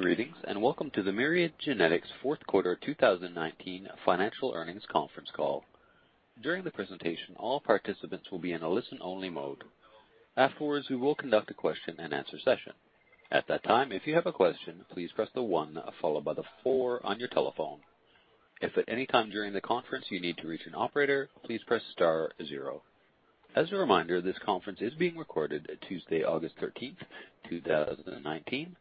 Greetings, and welcome to the Myriad Genetics fourth quarter 2019 financial earnings conference call. During the presentation, all participants will be in a listen-only mode. Afterwards, we will conduct a question-and-answer session. At that time, if you have a question, please press the one followed by the four on your telephone. If at any time during the conference you need to reach an operator, please press star zero. As a reminder, this conference is being recorded Tuesday, August 13th, 2019.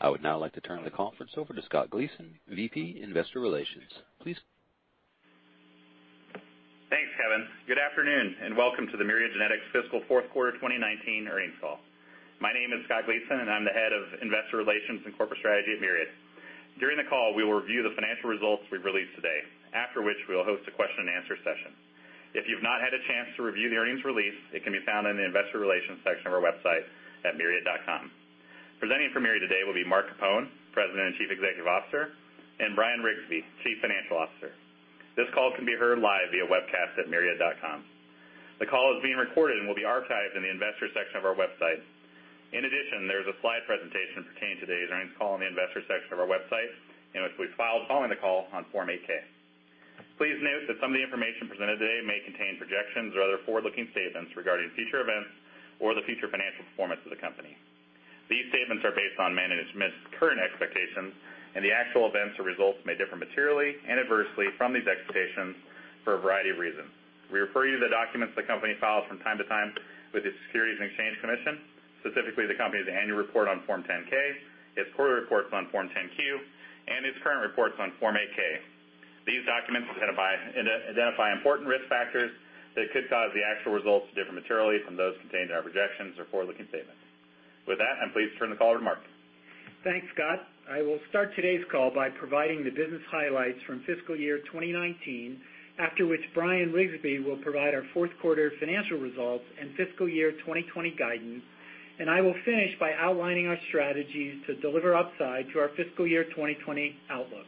I would now like to turn the conference over to Scott Gleason, VP, Investor Relations. Please. Thanks, Kevin. Good afternoon, and welcome to the Myriad Genetics fiscal fourth quarter 2019 earnings call. My name is Scott Gleason, and I'm the Head of Investor Relations and Corporate Strategy at Myriad. During the call, we will review the financial results we've released today, after which we'll host a question-and-answer session. If you've not had a chance to review the earnings release, it can be found in the investor relations section of our website at myriad.com. Presenting for Myriad today will be Mark Capone, President and Chief Executive Officer, and Bryan Riggsbee, Chief Financial Officer. This call can be heard live via webcast at myriad.com. The call is being recorded and will be archived in the investor section of our website. In addition, there is a slide presentation pertaining to today's earnings call on the investor section of our website, and which we've filed following the call on Form 8-K. Please note that some of the information presented today may contain projections or other forward-looking statements regarding future events or the future financial performance of the company. These statements are based on management's current expectations, and the actual events or results may differ materially and adversely from these expectations for a variety of reasons. We refer you to the documents the company files from time to time with the Securities and Exchange Commission, specifically the company's annual report on Form 10-K, its quarterly reports on Form 10-Q, and its current reports on Form 8-K. These documents identify important risk factors that could cause the actual results to differ materially from those contained in our projections or forward-looking statements. With that, I'm pleased to turn the call over to Mark. Thanks, Scott. I will start today's call by providing the business highlights from fiscal year 2019, after which Bryan Riggsbee will provide our fourth quarter financial results and fiscal year 2020 guidance. I will finish by outlining our strategies to deliver upside to our fiscal year 2020 outlook.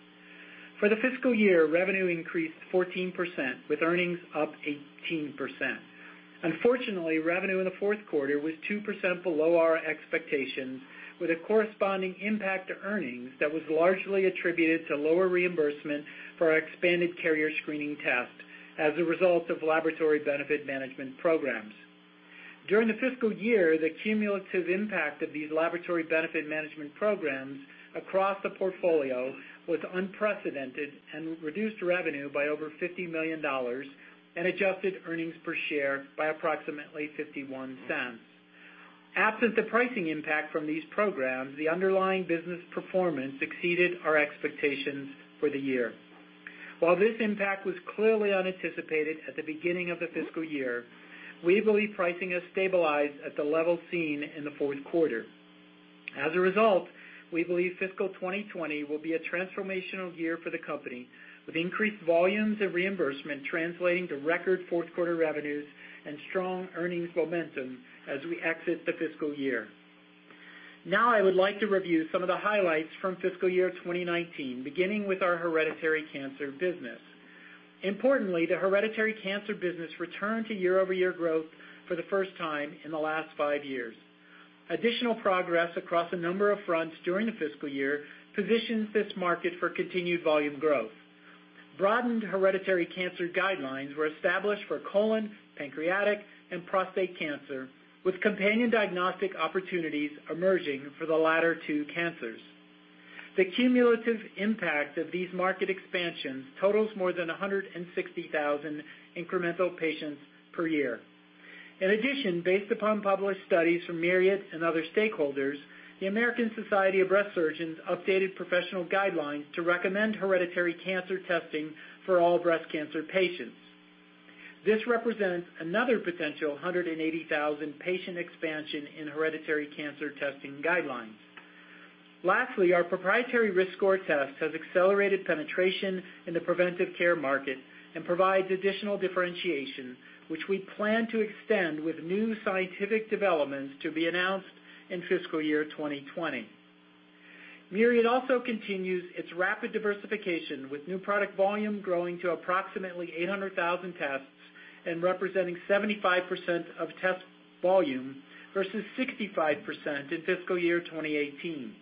For the fiscal year, revenue increased 14%, with earnings up 18%. Unfortunately, revenue in the fourth quarter was 2% below our expectations, with a corresponding impact to earnings that was largely attributed to lower reimbursement for our expanded carrier screening test as a result of laboratory benefit management programs. During the fiscal year, the cumulative impact of these laboratory benefit management programs across the portfolio was unprecedented and reduced revenue by over $50 million and adjusted earnings per share by approximately $0.51. Absent the pricing impact from these programs, the underlying business performance exceeded our expectations for the year. While this impact was clearly unanticipated at the beginning of the fiscal year, we believe pricing has stabilized at the level seen in the fourth quarter. As a result, we believe fiscal 2020 will be a transformational year for the company, with increased volumes and reimbursement translating to record fourth-quarter revenues and strong earnings momentum as we exit the fiscal year. Now, I would like to review some of the highlights from fiscal year 2019, beginning with our hereditary cancer business. Importantly, the hereditary cancer business returned to year-over-year growth for the first time in the last five years. Additional progress across a number of fronts during the fiscal year positions this market for continued volume growth. Broadened hereditary cancer guidelines were established for colon, pancreatic, and prostate cancer, with companion diagnostic opportunities emerging for the latter two cancers. The cumulative impact of these market expansions totals more than 160,000 incremental patients per year. In addition, based upon published studies from Myriad and other stakeholders, the American Society of Breast Surgeons updated professional guidelines to recommend hereditary cancer testing for all breast cancer patients. This represents another potential 180,000 patient expansion in hereditary cancer testing guidelines. Lastly, our proprietary RiskScore test has accelerated penetration in the preventive care market and provides additional differentiation, which we plan to extend with new scientific developments to be announced in fiscal year 2020. Myriad also continues its rapid diversification, with new product volume growing to approximately 800,000 tests and representing 75% of test volume versus 65% in fiscal year 2018.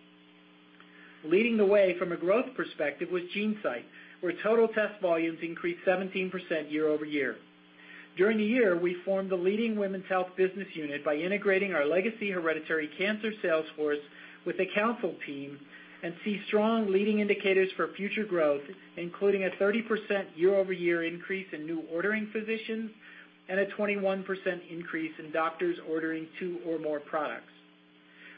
Leading the way from a growth perspective was GeneSight, where total test volumes increased 17% year-over-year. During the year, we formed the leading women's health business unit by integrating our legacy hereditary cancer sales force with the Counsyl team and see strong leading indicators for future growth, including a 30% year-over-year increase in new ordering physicians and a 21% increase in doctors ordering two or more products.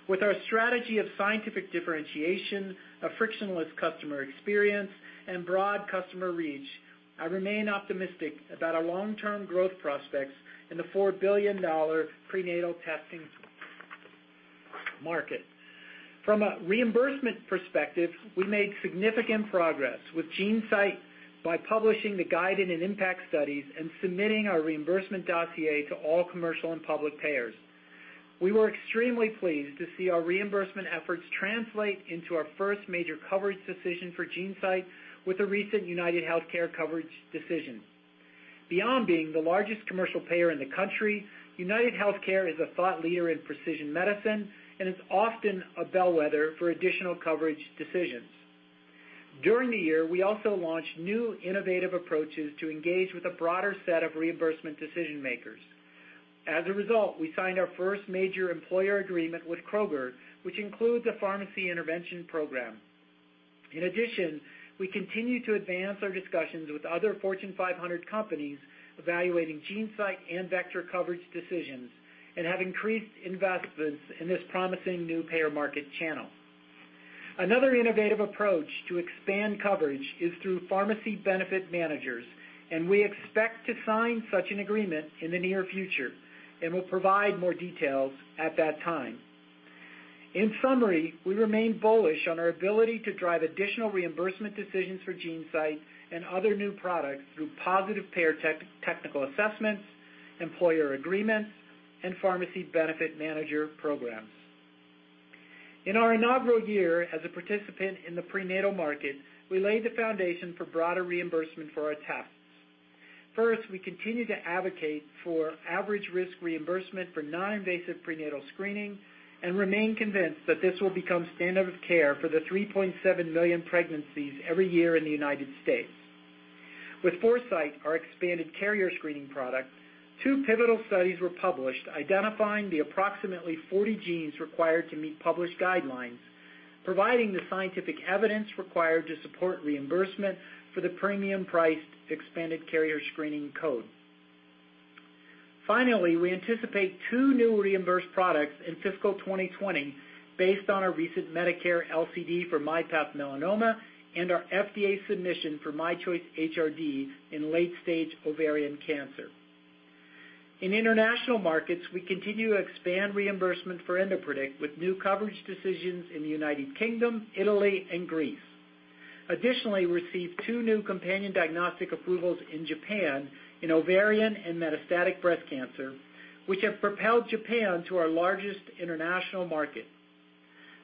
With our strategy of scientific differentiation, a frictionless customer experience, and broad customer reach, I remain optimistic about our long-term growth prospects in the $4 billion prenatal testing market. From a reimbursement perspective, we made significant progress with GeneSight by publishing the GUIDED and IMPACT studies and submitting our reimbursement dossier to all commercial and public payers. We were extremely pleased to see our reimbursement efforts translate into our first major coverage decision for GeneSight with the recent UnitedHealthcare coverage decision. Beyond being the largest commercial payer in the country, UnitedHealthcare is a thought leader in precision medicine and is often a bellwether for additional coverage decisions. During the year, we also launched new innovative approaches to engage with a broader set of reimbursement decision-makers. As a result, we signed our first major employer agreement with Kroger, which includes a pharmacy intervention program. In addition, we continue to advance our discussions with other Fortune 500 companies evaluating GeneSight and Vectra coverage decisions and have increased investments in this promising new payer market channel. Another innovative approach to expand coverage is through pharmacy benefit managers, and we expect to sign such an agreement in the near future, and will provide more details at that time. In summary, we remain bullish on our ability to drive additional reimbursement decisions for GeneSight and other new products through positive payer technical assessments, employer agreements, and pharmacy benefit manager programs. In our inaugural year as a participant in the prenatal market, we laid the foundation for broader reimbursement for our tests. First, we continue to advocate for average risk reimbursement for non-invasive prenatal screening and remain convinced that this will become standard of care for the 3.7 million pregnancies every year in the United States. With Foresight, our expanded carrier screening product, two pivotal studies were published identifying the approximately 40 genes required to meet published guidelines, providing the scientific evidence required to support reimbursement for the premium priced expanded carrier screening code. Finally, we anticipate two new reimbursed products in fiscal 2020 based on our recent Medicare LCD for myPath Melanoma and our FDA submission for myChoice HRD in late stage ovarian cancer. In international markets, we continue to expand reimbursement for EndoPredict with new coverage decisions in the U.K., Italy, and Greece. Received two new companion diagnostic approvals in Japan in ovarian and metastatic breast cancer, which have propelled Japan to our largest international market.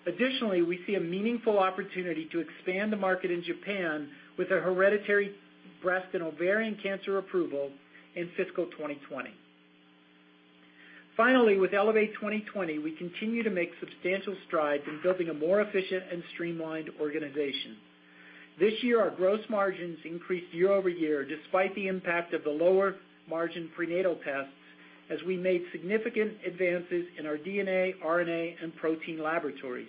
We see a meaningful opportunity to expand the market in Japan with a hereditary breast and ovarian cancer approval in fiscal 2020. With Elevate 2020, we continue to make substantial strides in building a more efficient and streamlined organization. This year, our gross margins increased year-over-year, despite the impact of the lower margin prenatal tests, as we made significant advances in our DNA, RNA, and protein laboratories.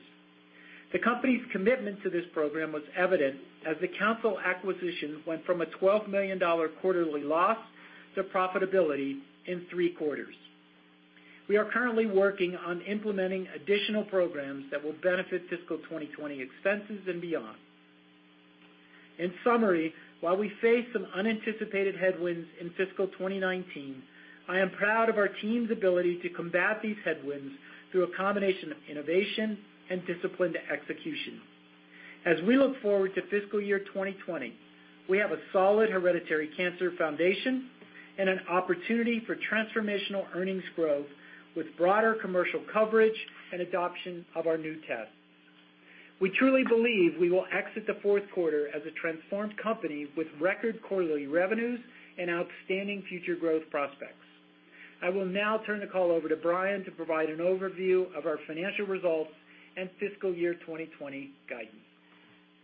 The company's commitment to this program was evident as the Counsyl acquisition went from a $12 million quarterly loss to profitability in three quarters. We are currently working on implementing additional programs that will benefit fiscal 2020 expenses and beyond. In summary, while we face some unanticipated headwinds in fiscal 2019, I am proud of our team's ability to combat these headwinds through a combination of innovation and disciplined execution. As we look forward to fiscal year 2020, we have a solid hereditary cancer foundation and an opportunity for transformational earnings growth with broader commercial coverage and adoption of our new tests. We truly believe we will exit the fourth quarter as a transformed company with record quarterly revenues and outstanding future growth prospects. I will now turn the call over to Bryan to provide an overview of our financial results and fiscal year 2020 guidance.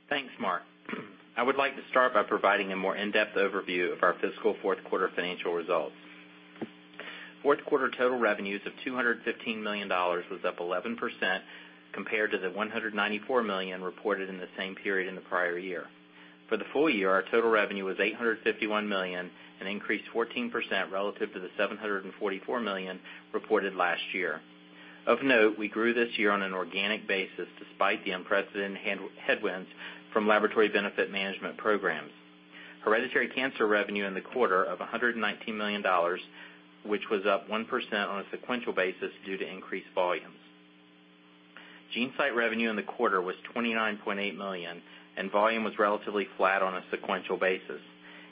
Thanks, Mark. I would like to start by providing a more in-depth overview of our fiscal fourth quarter financial results. Fourth quarter total revenues of $215 million was up 11% compared to the $194 million reported in the same period in the prior year. For the full year, our total revenue was $851 million, an increase of 14% relative to the $744 million reported last year. Of note, we grew this year on an organic basis despite the unprecedented headwinds from laboratory benefit management programs. Hereditary cancer revenue in the quarter of $119 million, which was up 1% on a sequential basis due to increased volumes. GeneSight revenue in the quarter was $29.8 million, and volume was relatively flat on a sequential basis.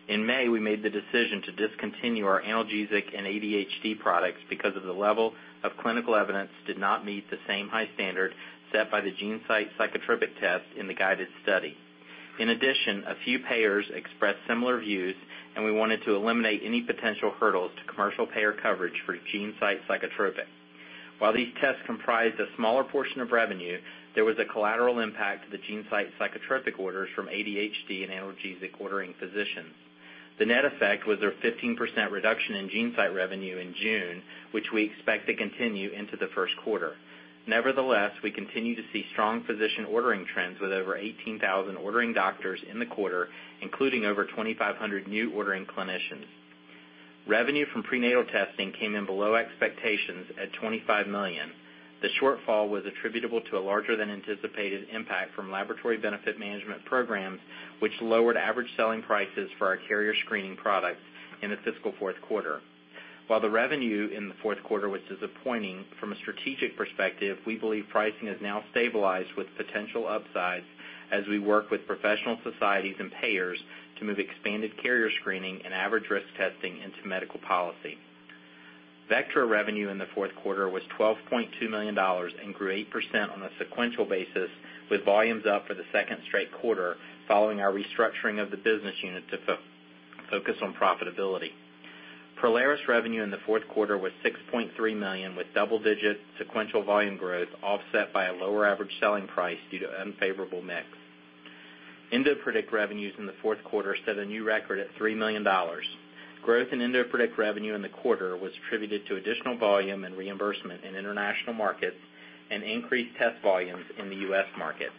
In May, we made the decision to discontinue our analgesic and ADHD products because the level of clinical evidence did not meet the same high standard set by the GeneSight Psychotropic test in the GUIDED study. In addition, a few payers expressed similar views, and we wanted to eliminate any potential hurdles to commercial payer coverage for GeneSight Psychotropic. While these tests comprised a smaller portion of revenue, there was a collateral impact to the GeneSight Psychotropic orders from ADHD and analgesic-ordering physicians. The net effect was a 15% reduction in GeneSight revenue in June, which we expect to continue into the first quarter. Nevertheless, we continue to see strong physician ordering trends with over 18,000 ordering doctors in the quarter, including over 2,500 new ordering clinicians. Revenue from prenatal testing came in below expectations at $25 million. The shortfall was attributable to a larger-than-anticipated impact from laboratory benefit management programs, which lowered average selling prices for our carrier screening products in the fiscal fourth quarter. While the revenue in the fourth quarter was disappointing, from a strategic perspective, we believe pricing has now stabilized with potential upsides as we work with professional societies and payers to move expanded carrier screening and average risk testing into medical policy. Vectra revenue in the fourth quarter was $12.2 million and grew 8% on a sequential basis, with volumes up for the second straight quarter following our restructuring of the business unit to focus on profitability. Prolaris revenue in the fourth quarter was $6.3 million with double-digit sequential volume growth offset by a lower average selling price due to unfavorable mix. EndoPredict revenues in the fourth quarter set a new record at $3 million. Growth in EndoPredict revenue in the quarter was attributed to additional volume and reimbursement in international markets and increased test volumes in the U.S. market.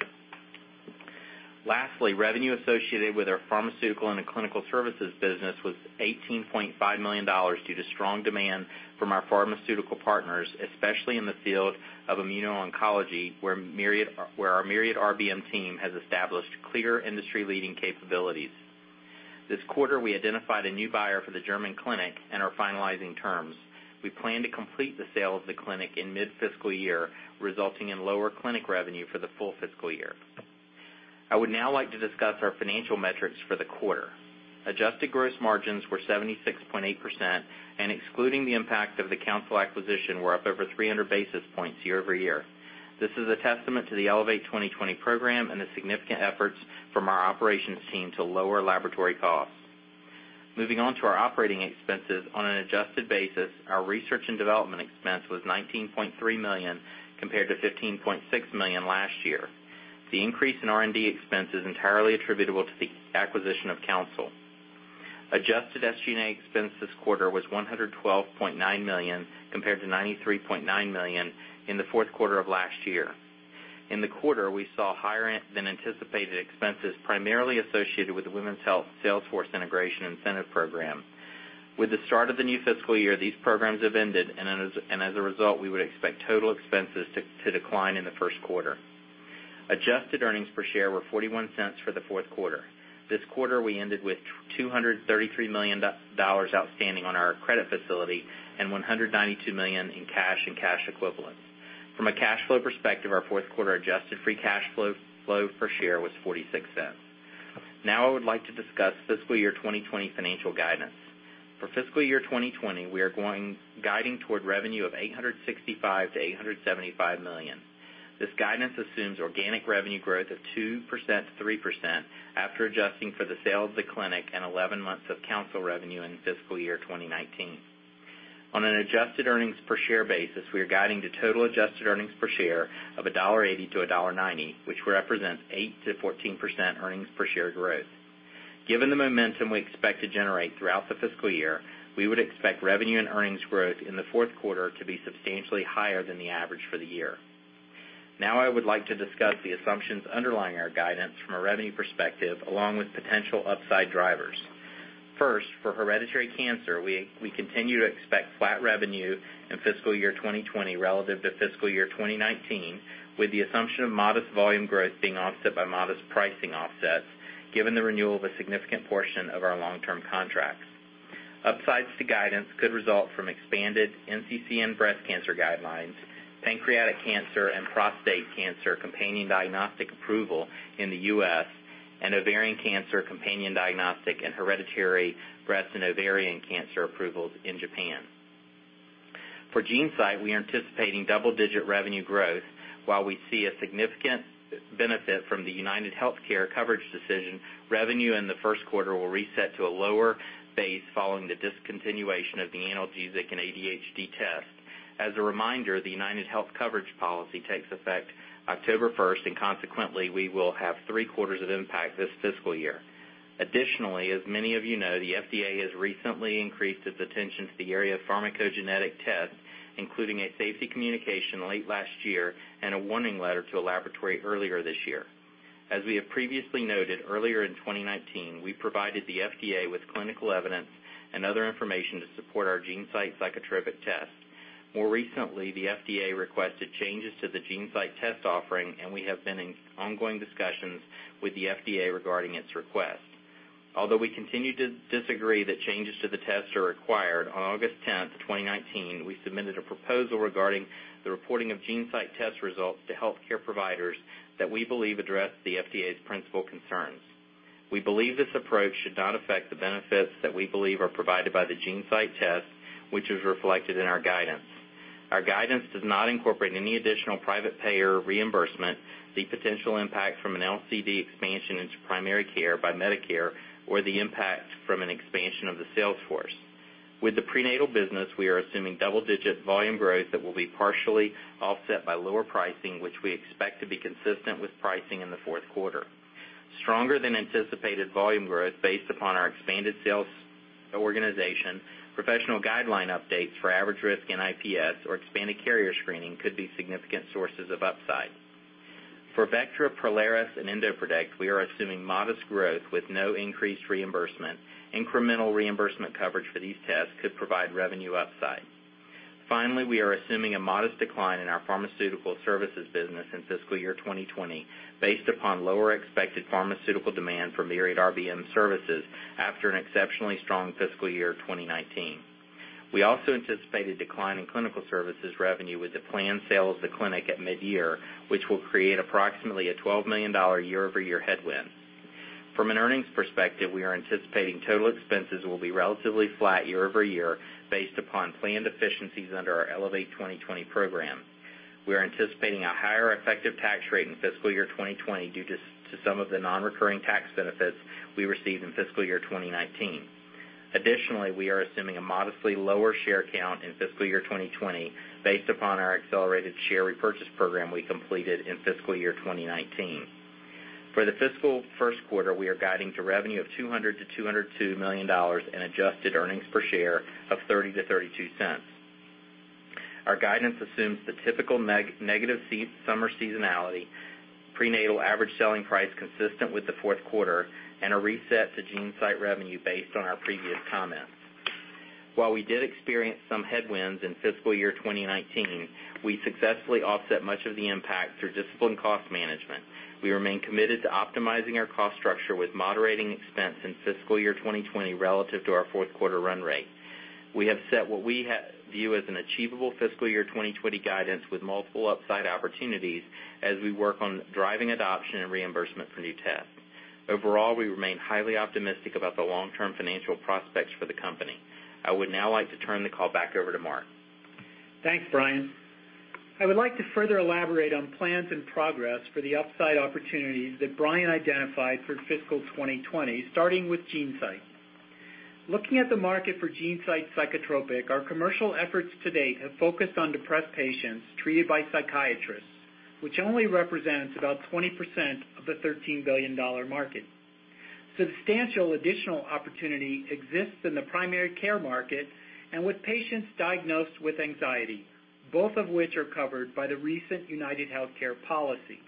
Lastly, revenue associated with our pharmaceutical and clinical services business was $18.5 million due to strong demand from our pharmaceutical partners, especially in the field of immuno-oncology, where our Myriad RBM team has established clear industry-leading capabilities. This quarter, we identified a new buyer for the German clinic and are finalizing terms. We plan to complete the sale of the clinic in mid-fiscal year, resulting in lower clinic revenue for the full fiscal year. I would now like to discuss our financial metrics for the quarter. Adjusted gross margins were 76.8% and excluding the impact of the Counsyl acquisition, were up over 300 basis points year-over-year. This is a testament to the Elevate 2020 program and the significant efforts from our operations team to lower laboratory costs. Moving on to our operating expenses. On an adjusted basis, our research and development expense was $19.3 million compared to $15.6 million last year. The increase in R&D expense is entirely attributable to the acquisition of Counsyl. Adjusted SG&A expense this quarter was $112.9 million compared to $93.9 million in the fourth quarter of last year. In the quarter, we saw higher than anticipated expenses, primarily associated with the women's health sales force integration incentive program. With the start of the new fiscal year, these programs have ended, and as a result, we would expect total expenses to decline in the first quarter. Adjusted earnings per share were $0.41 for the fourth quarter. This quarter, we ended with $233 million outstanding on our credit facility and $192 million in cash and cash equivalents. From a cash flow perspective, our fourth quarter adjusted free cash flow per share was $0.46. Now I would like to discuss fiscal year 2020 financial guidance. For fiscal year 2020, we are guiding toward revenue of $865 million-$875 million. This guidance assumes organic revenue growth of 2%-3% after adjusting for the sale of the clinic and 11 months of Counsyl revenue in fiscal year 2019. On an adjusted earnings per share basis, we are guiding to total adjusted earnings per share of $1.80 to $1.90, which represents 8%-14% earnings per share growth. Given the momentum we expect to generate throughout the fiscal year, we would expect revenue and earnings growth in the fourth quarter to be substantially higher than the average for the year. I would like to discuss the assumptions underlying our guidance from a revenue perspective, along with potential upside drivers. First, for hereditary cancer, we continue to expect flat revenue in fiscal year 2020 relative to fiscal year 2019, with the assumption of modest volume growth being offset by modest pricing offsets, given the renewal of a significant portion of our long-term contracts. Upsides to guidance could result from expanded NCCN breast cancer guidelines, pancreatic cancer and prostate cancer companion diagnostic approval in the U.S., and ovarian cancer companion diagnostic and hereditary breast and ovarian cancer approvals in Japan. For GeneSight, we are anticipating double-digit revenue growth. While we see a significant benefit from the UnitedHealthcare coverage decision, revenue in the first quarter will reset to a lower base following the discontinuation of the analgesic and ADHD test. As a reminder, the UnitedHealth coverage policy takes effect October 1st, and consequently, we will have three quarters of impact this fiscal year. Additionally, as many of you know, the FDA has recently increased its attention to the area of pharmacogenetic tests, including a safety communication late last year and a warning letter to a laboratory earlier this year. As we have previously noted earlier in 2019, we provided the FDA with clinical evidence and other information to support our GeneSight Psychotropic test. More recently, the FDA requested changes to the GeneSight test offering, and we have been in ongoing discussions with the FDA regarding its request. Although we continue to disagree that changes to the test are required, on August 10th, 2019, we submitted a proposal regarding the reporting of GeneSight test results to healthcare providers that we believe address the FDA's principal concerns. We believe this approach should not affect the benefits that we believe are provided by the GeneSight test, which is reflected in our guidance. Our guidance does not incorporate any additional private payer reimbursement, the potential impact from an LCD expansion into primary care by Medicare, or the impact from an expansion of the sales force. With the prenatal business, we are assuming double-digit volume growth that will be partially offset by lower pricing, which we expect to be consistent with pricing in the fourth quarter. Stronger than anticipated volume growth based upon our expanded sales organization, professional guideline updates for average risk NIPS or expanded carrier screening could be significant sources of upside. For Vectra, Prolaris, and EndoPredict, we are assuming modest growth with no increased reimbursement. Incremental reimbursement coverage for these tests could provide revenue upside. Finally, we are assuming a modest decline in our pharmaceutical services business in fiscal year 2020 based upon lower expected pharmaceutical demand for Myriad RBM services after an exceptionally strong fiscal year 2019. We also anticipate a decline in clinical services revenue with the planned sale of the clinic at mid-year, which will create approximately a $12 million year-over-year headwind. From an earnings perspective, we are anticipating total expenses will be relatively flat year-over-year based upon planned efficiencies under our Elevate 2020 program. We are anticipating a higher effective tax rate in fiscal year 2020 due to some of the non-recurring tax benefits we received in fiscal year 2019. Additionally, we are assuming a modestly lower share count in fiscal year 2020 based upon our accelerated share repurchase program we completed in fiscal year 2019. For the fiscal first quarter, we are guiding to revenue of $200 million-$202 million in adjusted earnings per share of $0.30-$0.32. Our guidance assumes the typical negative summer seasonality, prenatal average selling price consistent with the fourth quarter, and a reset to GeneSight revenue based on our previous comments. While we did experience some headwinds in fiscal year 2019, we successfully offset much of the impact through disciplined cost management. We remain committed to optimizing our cost structure with moderating expense in fiscal year 2020 relative to our fourth quarter run rate. We have set what we view as an achievable fiscal year 2020 guidance with multiple upside opportunities as we work on driving adoption and reimbursement for new tests. Overall, we remain highly optimistic about the long-term financial prospects for the company. I would now like to turn the call back over to Mark. Thanks, Bryan. I would like to further elaborate on plans and progress for the upside opportunities that Bryan identified for fiscal 2020, starting with GeneSight. Looking at the market for GeneSight Psychotropic, our commercial efforts to date have focused on depressed patients treated by psychiatrists, which only represents about 20% of the $13 billion market. Substantial additional opportunity exists in the primary care market and with patients diagnosed with anxiety, both of which are covered by the recent UnitedHealthcare policy.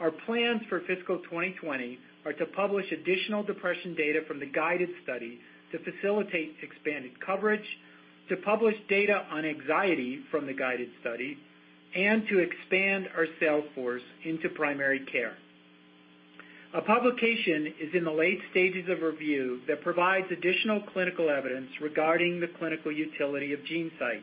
Our plans for fiscal 2020 are to publish additional depression data from the GUIDED study to facilitate expanded coverage, to publish data on anxiety from the GUIDED study, and to expand our sales force into primary care. A publication is in the late stages of review that provides additional clinical evidence regarding the clinical utility of GeneSight.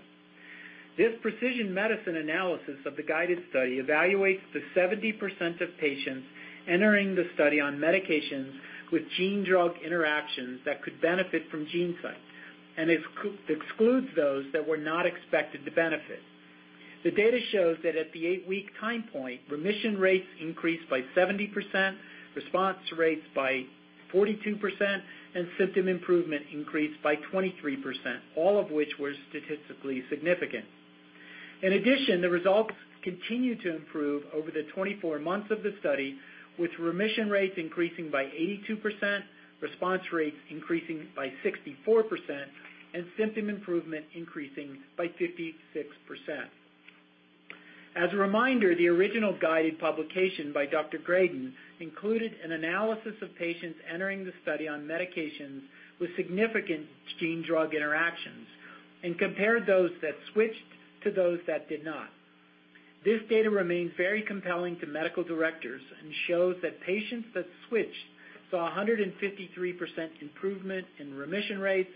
This precision medicine analysis of the GUIDED study evaluates the 70% of patients entering the study on medications with gene-drug interactions that could benefit from GeneSight and excludes those that were not expected to benefit. The data shows that at the eight-week time point, remission rates increased by 70%, response rates by 42%, and symptom improvement increased by 23%, all of which were statistically significant. In addition, the results continued to improve over the 24 months of the study, with remission rates increasing by 82%, response rates increasing by 64%, and symptom improvement increasing by 56%. As a reminder, the original GUIDED publication by Dr. Greden included an analysis of patients entering the study on medications with significant gene-drug interactions and compared those that switched to those that did not. This data remains very compelling to medical directors and shows that patients that switched saw 153% improvement in remission rates,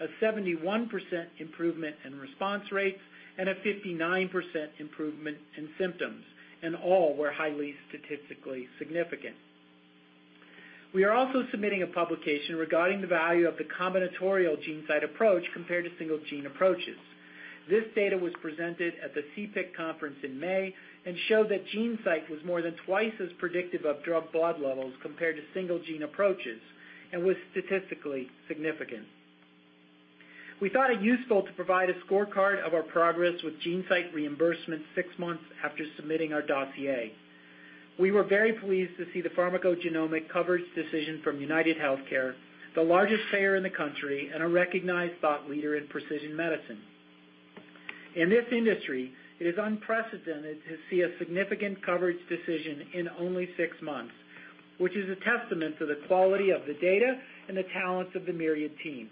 a 71% improvement in response rates, and a 59% improvement in symptoms, and all were highly statistically significant. We are also submitting a publication regarding the value of the combinatorial GeneSight approach compared to single gene approaches. This data was presented at the CPIC conference in May and showed that GeneSight was more than twice as predictive of drug blood levels compared to single gene approaches and was statistically significant. We thought it useful to provide a scorecard of our progress with GeneSight reimbursement six months after submitting our dossier. We were very pleased to see the pharmacogenomic coverage decision from UnitedHealthcare, the largest payer in the country and a recognized thought leader in precision medicine. In this industry, it is unprecedented to see a significant coverage decision in only six months, which is a testament to the quality of the data and the talents of the Myriad team.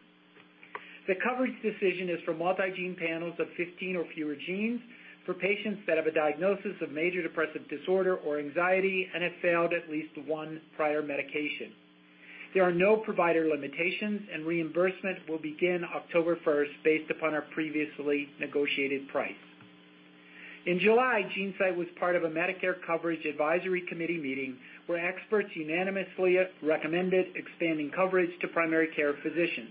The coverage decision is for multi-gene panels of 15 or fewer genes for patients that have a diagnosis of major depressive disorder or anxiety and have failed at least one prior medication. There are no provider limitations, and reimbursement will begin October 1st based upon our previously negotiated price. In July, GeneSight was part of a Medicare Coverage Advisory Committee meeting where experts unanimously recommended expanding coverage to primary care physicians.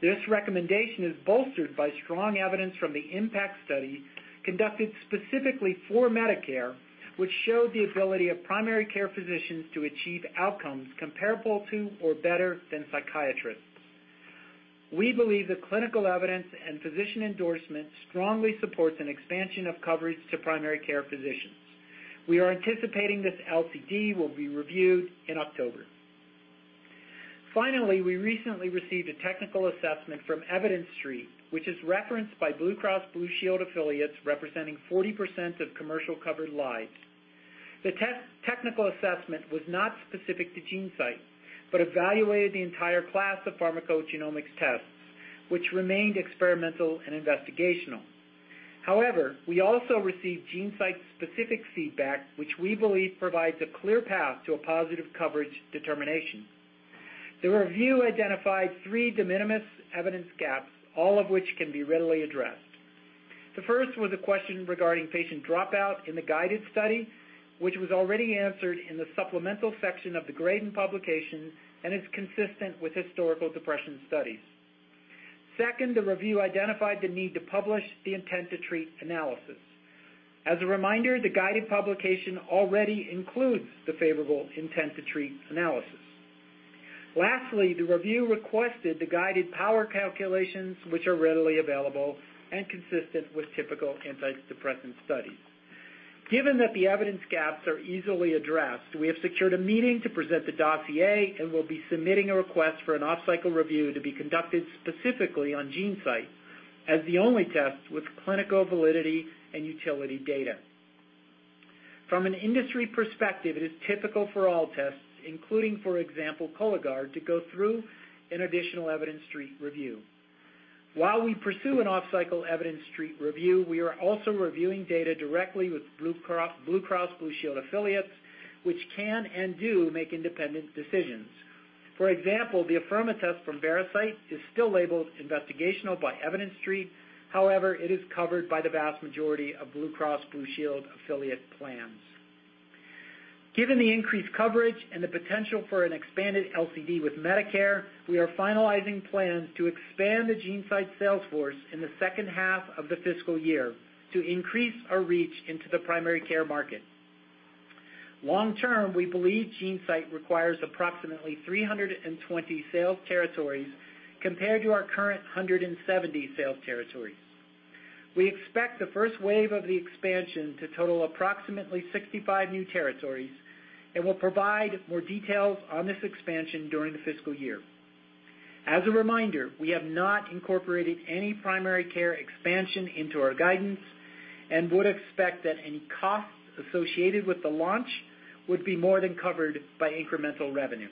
This recommendation is bolstered by strong evidence from the IMPACT study conducted specifically for Medicare, which showed the ability of primary care physicians to achieve outcomes comparable to or better than psychiatrists. We believe the clinical evidence and physician endorsement strongly supports an expansion of coverage to primary care physicians. We are anticipating this LCD will be reviewed in October. We recently received a technical assessment from Evidence Street, which is referenced by Blue Cross Blue Shield affiliates representing 40% of commercial covered lives. The technical assessment was not specific to GeneSight, but evaluated the entire class of pharmacogenomics tests, which remained experimental and investigational. We also received GeneSight's specific feedback, which we believe provides a clear path to a positive coverage determination. The review identified three de minimis evidence gaps, all of which can be readily addressed. The first was a question regarding patient dropout in the GUIDED study, which was already answered in the supplemental section of the Greden publication and is consistent with historical depression studies. Second, the review identified the need to publish the intent to treat analysis. As a reminder, the GUIDED publication already includes the favorable intent to treat analysis. Lastly, the review requested the GUIDED power calculations, which are readily available and consistent with typical antidepressant studies. Given that the evidence gaps are easily addressed, we have secured a meeting to present the dossier and will be submitting a request for an off-cycle review to be conducted specifically on GeneSight as the only test with clinical validity and utility data. From an industry perspective, it is typical for all tests, including, for example, Cologuard, to go through an additional Evidence Street review. While we pursue an off-cycle Evidence Street review, we are also reviewing data directly with Blue Cross Blue Shield affiliates, which can and do make independent decisions. For example, the Afirma test from Veracyte is still labeled investigational by Evidence Street. However, it is covered by the vast majority of Blue Cross Blue Shield affiliate plans. Given the increased coverage and the potential for an expanded LCD with Medicare, we are finalizing plans to expand the GeneSight sales force in the second half of the fiscal year to increase our reach into the primary care market. Long term, we believe GeneSight requires approximately 320 sales territories compared to our current 170 sales territories. We expect the first wave of the expansion to total approximately 65 new territories and will provide more details on this expansion during the fiscal year. As a reminder, we have not incorporated any primary care expansion into our guidance and would expect that any costs associated with the launch would be more than covered by incremental revenue.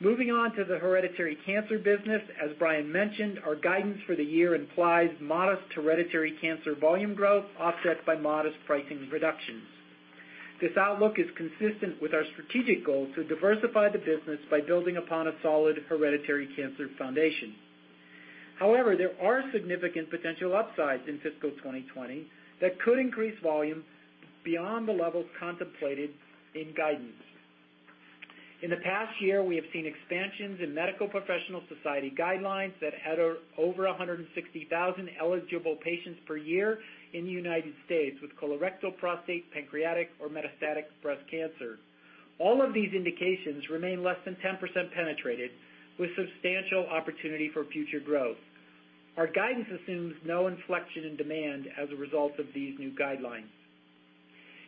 Moving on to the hereditary cancer business. As Bryan mentioned, our guidance for the year implies modest hereditary cancer volume growth offset by modest pricing reductions. This outlook is consistent with our strategic goal to diversify the business by building upon a solid hereditary cancer foundation. However, there are significant potential upsides in fiscal 2020 that could increase volume beyond the levels contemplated in guidance. In the past year, we have seen expansions in medical professional society guidelines that add over 160,000 eligible patients per year in the United States with colorectal, prostate, pancreatic, or metastatic breast cancer. All of these indications remain less than 10% penetrated, with substantial opportunity for future growth. Our guidance assumes no inflection in demand as a result of these new guidelines.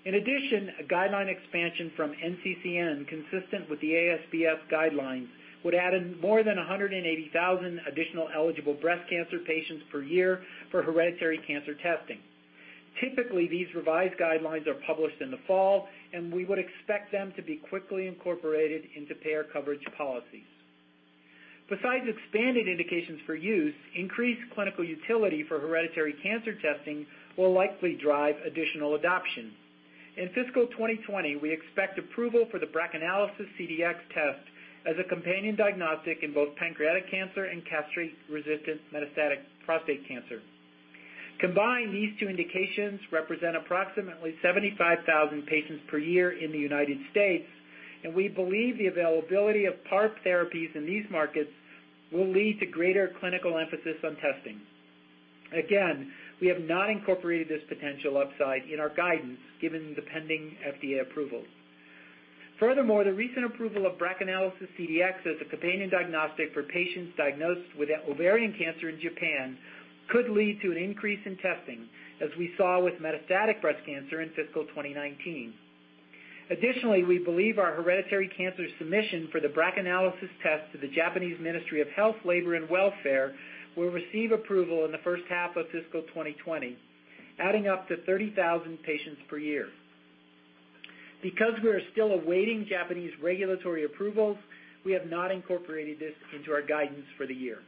In addition, a guideline expansion from NCCN, consistent with the ASBrS guidelines, would add more than 180,000 additional eligible breast cancer patients per year for hereditary cancer testing. Typically, these revised guidelines are published in the fall, and we would expect them to be quickly incorporated into payer coverage policies. Besides expanded indications for use, increased clinical utility for hereditary cancer testing will likely drive additional adoption. In fiscal 2020, we expect approval for the BRACAnalysis CDx test as a companion diagnostic in both pancreatic cancer and castrate-resistant metastatic prostate cancer. Combined, these two indications represent approximately 75,000 patients per year in the United States, and we believe the availability of PARP therapies in these markets will lead to greater clinical emphasis on testing. We have not incorporated this potential upside in our guidance given the pending FDA approval. Furthermore, the recent approval of BRACAnalysis CDx as a companion diagnostic for patients diagnosed with ovarian cancer in Japan could lead to an increase in testing, as we saw with metastatic breast cancer in fiscal 2019. Additionally, we believe our hereditary cancer submission for the BRACAnalysis test to the Japanese Ministry of Health, Labour and Welfare will receive approval in the first half of fiscal 2020, adding up to 30,000 patients per year. Because we are still awaiting Japanese regulatory approvals, we have not incorporated this into our guidance for the year.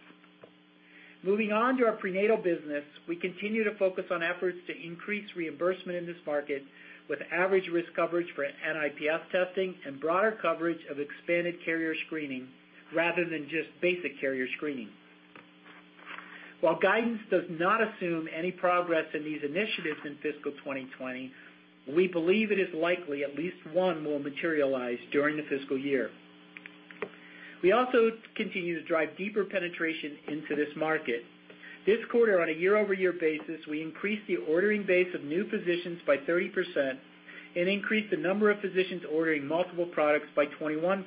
Moving on to our prenatal business. We continue to focus on efforts to increase reimbursement in this market with average risk coverage for NIPT testing and broader coverage of expanded carrier screening rather than just basic carrier screening. While guidance does not assume any progress in these initiatives in fiscal 2020, we believe it is likely at least one will materialize during the fiscal year. We also continue to drive deeper penetration into this market. This quarter, on a year-over-year basis, we increased the ordering base of new physicians by 30% and increased the number of physicians ordering multiple products by 21%.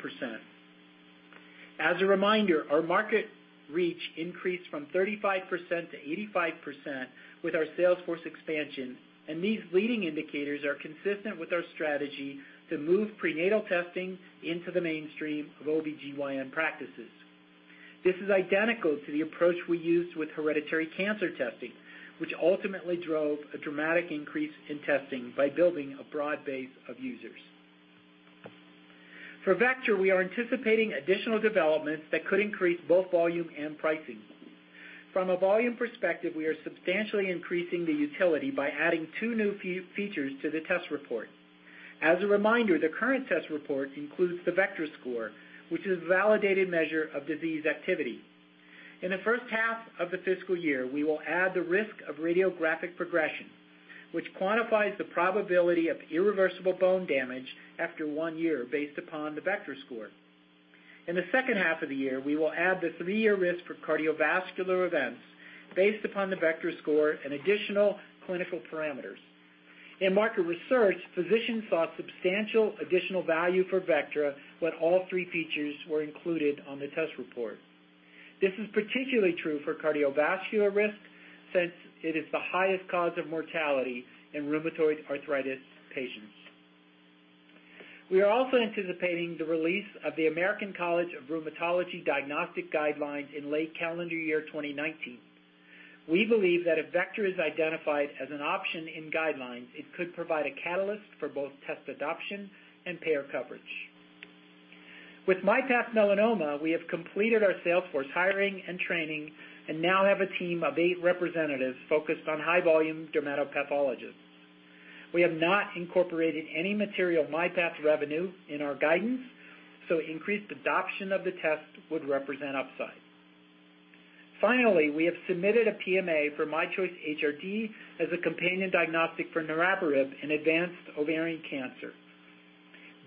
As a reminder, our market reach increased from 35% to 85% with our sales force expansion, and these leading indicators are consistent with our strategy to move prenatal testing into the mainstream of OBGYN practices. This is identical to the approach we used with hereditary cancer testing, which ultimately drove a dramatic increase in testing by building a broad base of users. For Vectra, we are anticipating additional developments that could increase both volume and pricing. From a volume perspective, we are substantially increasing the utility by adding two new features to the test report. As a reminder, the current test report includes the Vectra score, which is a validated measure of disease activity. In the first half of the fiscal year, we will add the risk of radiographic progression, which quantifies the probability of irreversible bone damage after one year based upon the Vectra score. In the second half of the year, we will add the three-year risk for cardiovascular events based upon the Vectra score and additional clinical parameters. In market research, physicians saw substantial additional value for Vectra when all three features were included on the test report. This is particularly true for cardiovascular risk, since it is the highest cause of mortality in rheumatoid arthritis patients. We are also anticipating the release of the American College of Rheumatology diagnostic guidelines in late calendar year 2019. We believe that if Vectra is identified as an option in guidelines, it could provide a catalyst for both test adoption and payer coverage. With myPath Melanoma, we have completed our sales force hiring and training and now have a team of eight representatives focused on high-volume dermatopathologists. We have not incorporated any material myPath revenue in our guidance, so increased adoption of the test would represent upside. Finally, we have submitted a PMA for myChoice HRD as a companion diagnostic for niraparib in advanced ovarian cancer.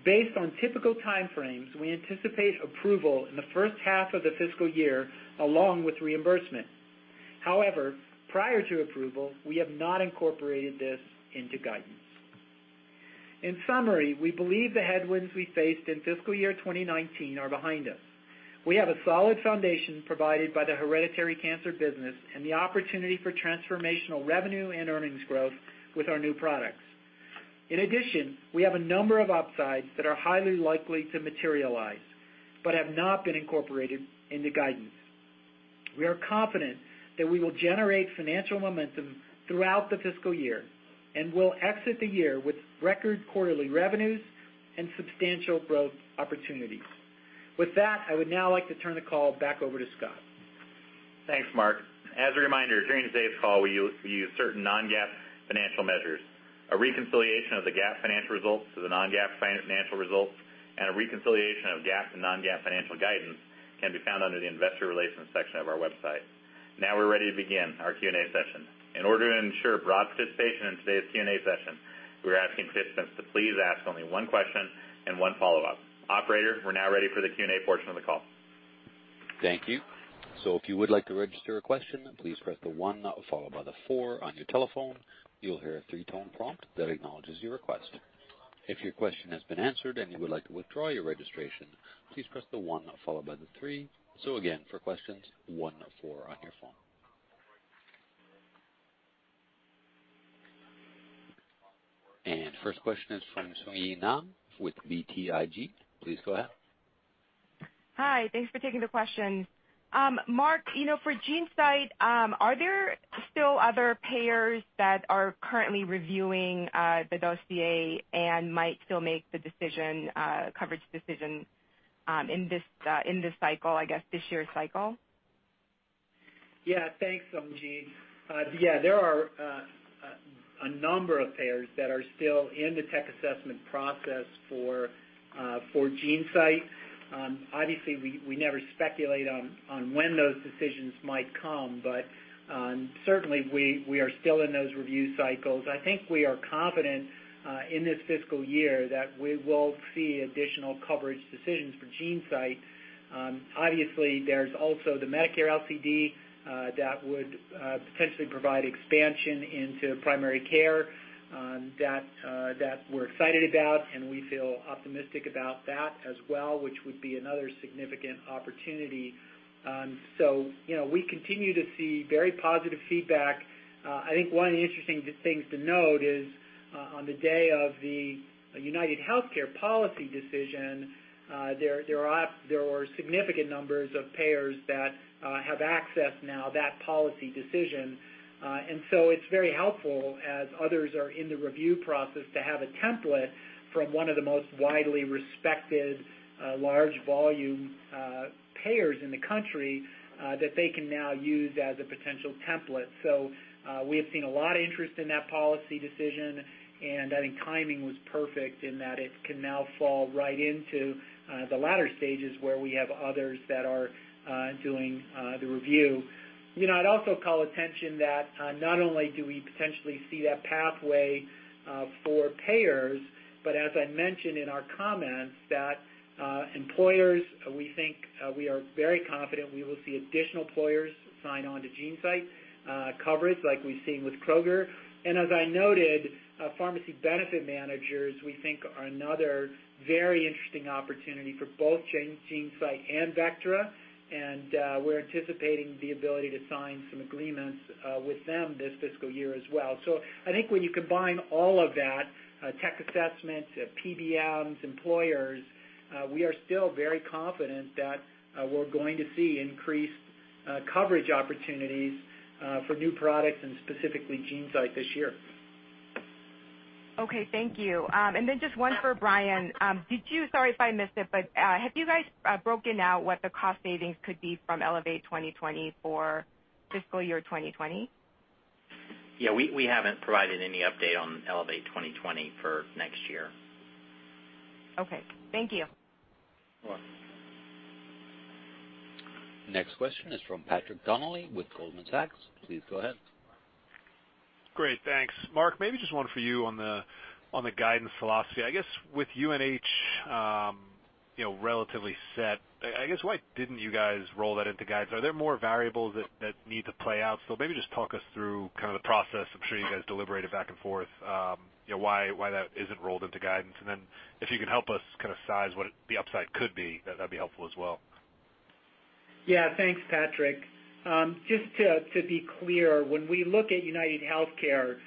Based on typical time frames, we anticipate approval in the first half of the fiscal year, along with reimbursement. However, prior to approval, we have not incorporated this into guidance. In summary, we believe the headwinds we faced in fiscal year 2019 are behind us. We have a solid foundation provided by the hereditary cancer business and the opportunity for transformational revenue and earnings growth with our new products. We have a number of upsides that are highly likely to materialize but have not been incorporated into guidance. We are confident that we will generate financial momentum throughout the fiscal year and will exit the year with record quarterly revenues and substantial growth opportunities. With that, I would now like to turn the call back over to Scott. Thanks, Mark. As a reminder, during today's call, we use certain non-GAAP financial measures. A reconciliation of the GAAP financial results to the non-GAAP financial results and a reconciliation of GAAP to non-GAAP financial guidance can be found under the investor relations section of our website. Now we're ready to begin our Q&A session. In order to ensure broad participation in today's Q&A session, we're asking participants to please ask only one question and one follow-up. Operator, we're now ready for the Q&A portion of the call. Thank you. If you would like to register a question, please press the one followed by the four on your telephone. You'll hear a three-tone prompt that acknowledges your request. If your question has been answered and you would like to withdraw your registration, please press the one followed by the three. Again, for questions, one, four on your phone. First question is from Sung Ji Nam with BTIG. Please go ahead. Hi. Thanks for taking the question. Mark, for GeneSight, are there still other payers that are currently reviewing the dossier and might still make the coverage decision in this year's cycle? Thanks, Sung Ji. There are a number of payers that are still in the tech assessment process for GeneSight. We never speculate on when those decisions might come, but certainly, we are still in those review cycles. I think we are confident, in this fiscal year, that we will see additional coverage decisions for GeneSight. There's also the Medicare LCD that would potentially provide expansion into primary care that we're excited about. We feel optimistic about that as well, which would be another significant opportunity. We continue to see very positive feedback. I think one of the interesting things to note is, on the day of the UnitedHealthcare policy decision, there were significant numbers of payers that have access now, that policy decision. It's very helpful as others are in the review process to have a template from one of the most widely respected large volume payers in the country that they can now use as a potential template. We have seen a lot of interest in that policy decision, and I think timing was perfect in that it can now fall right into the latter stages where we have others that are doing the review. I'd also call attention that not only do we potentially see that pathway for payers, but as I mentioned in our comments, that employers, we think we are very confident we will see additional employers sign on to GeneSight coverage like we've seen with Kroger. As I noted, pharmacy benefit managers, we think, are another very interesting opportunity for both GeneSight and Vectra. We're anticipating the ability to sign some agreements with them this fiscal year as well. I think when you combine all of that, tech assessments, PBMs, employers, we are still very confident that we're going to see increased coverage opportunities for new products and specifically GeneSight this year. Okay, thank you. Just one for Bryan. Sorry if I missed it, have you guys broken out what the cost savings could be from Elevate 2020 for fiscal year 2020? Yeah, we haven't provided any update on Elevate 2020 for next year. Okay. Thank you. You're welcome. Next question is from Patrick Donnelly with Goldman Sachs. Please go ahead. Great, thanks. Mark, maybe just one for you on the guidance philosophy. I guess with UNH relatively set, I guess why didn't you guys roll that into guidance? Are there more variables that need to play out? Maybe just talk us through the process. I'm sure you guys deliberated back and forth why that isn't rolled into guidance. If you can help us size what the upside could be, that'd be helpful as well. Thanks, Patrick. Just to be clear, when we look at UnitedHealthcare,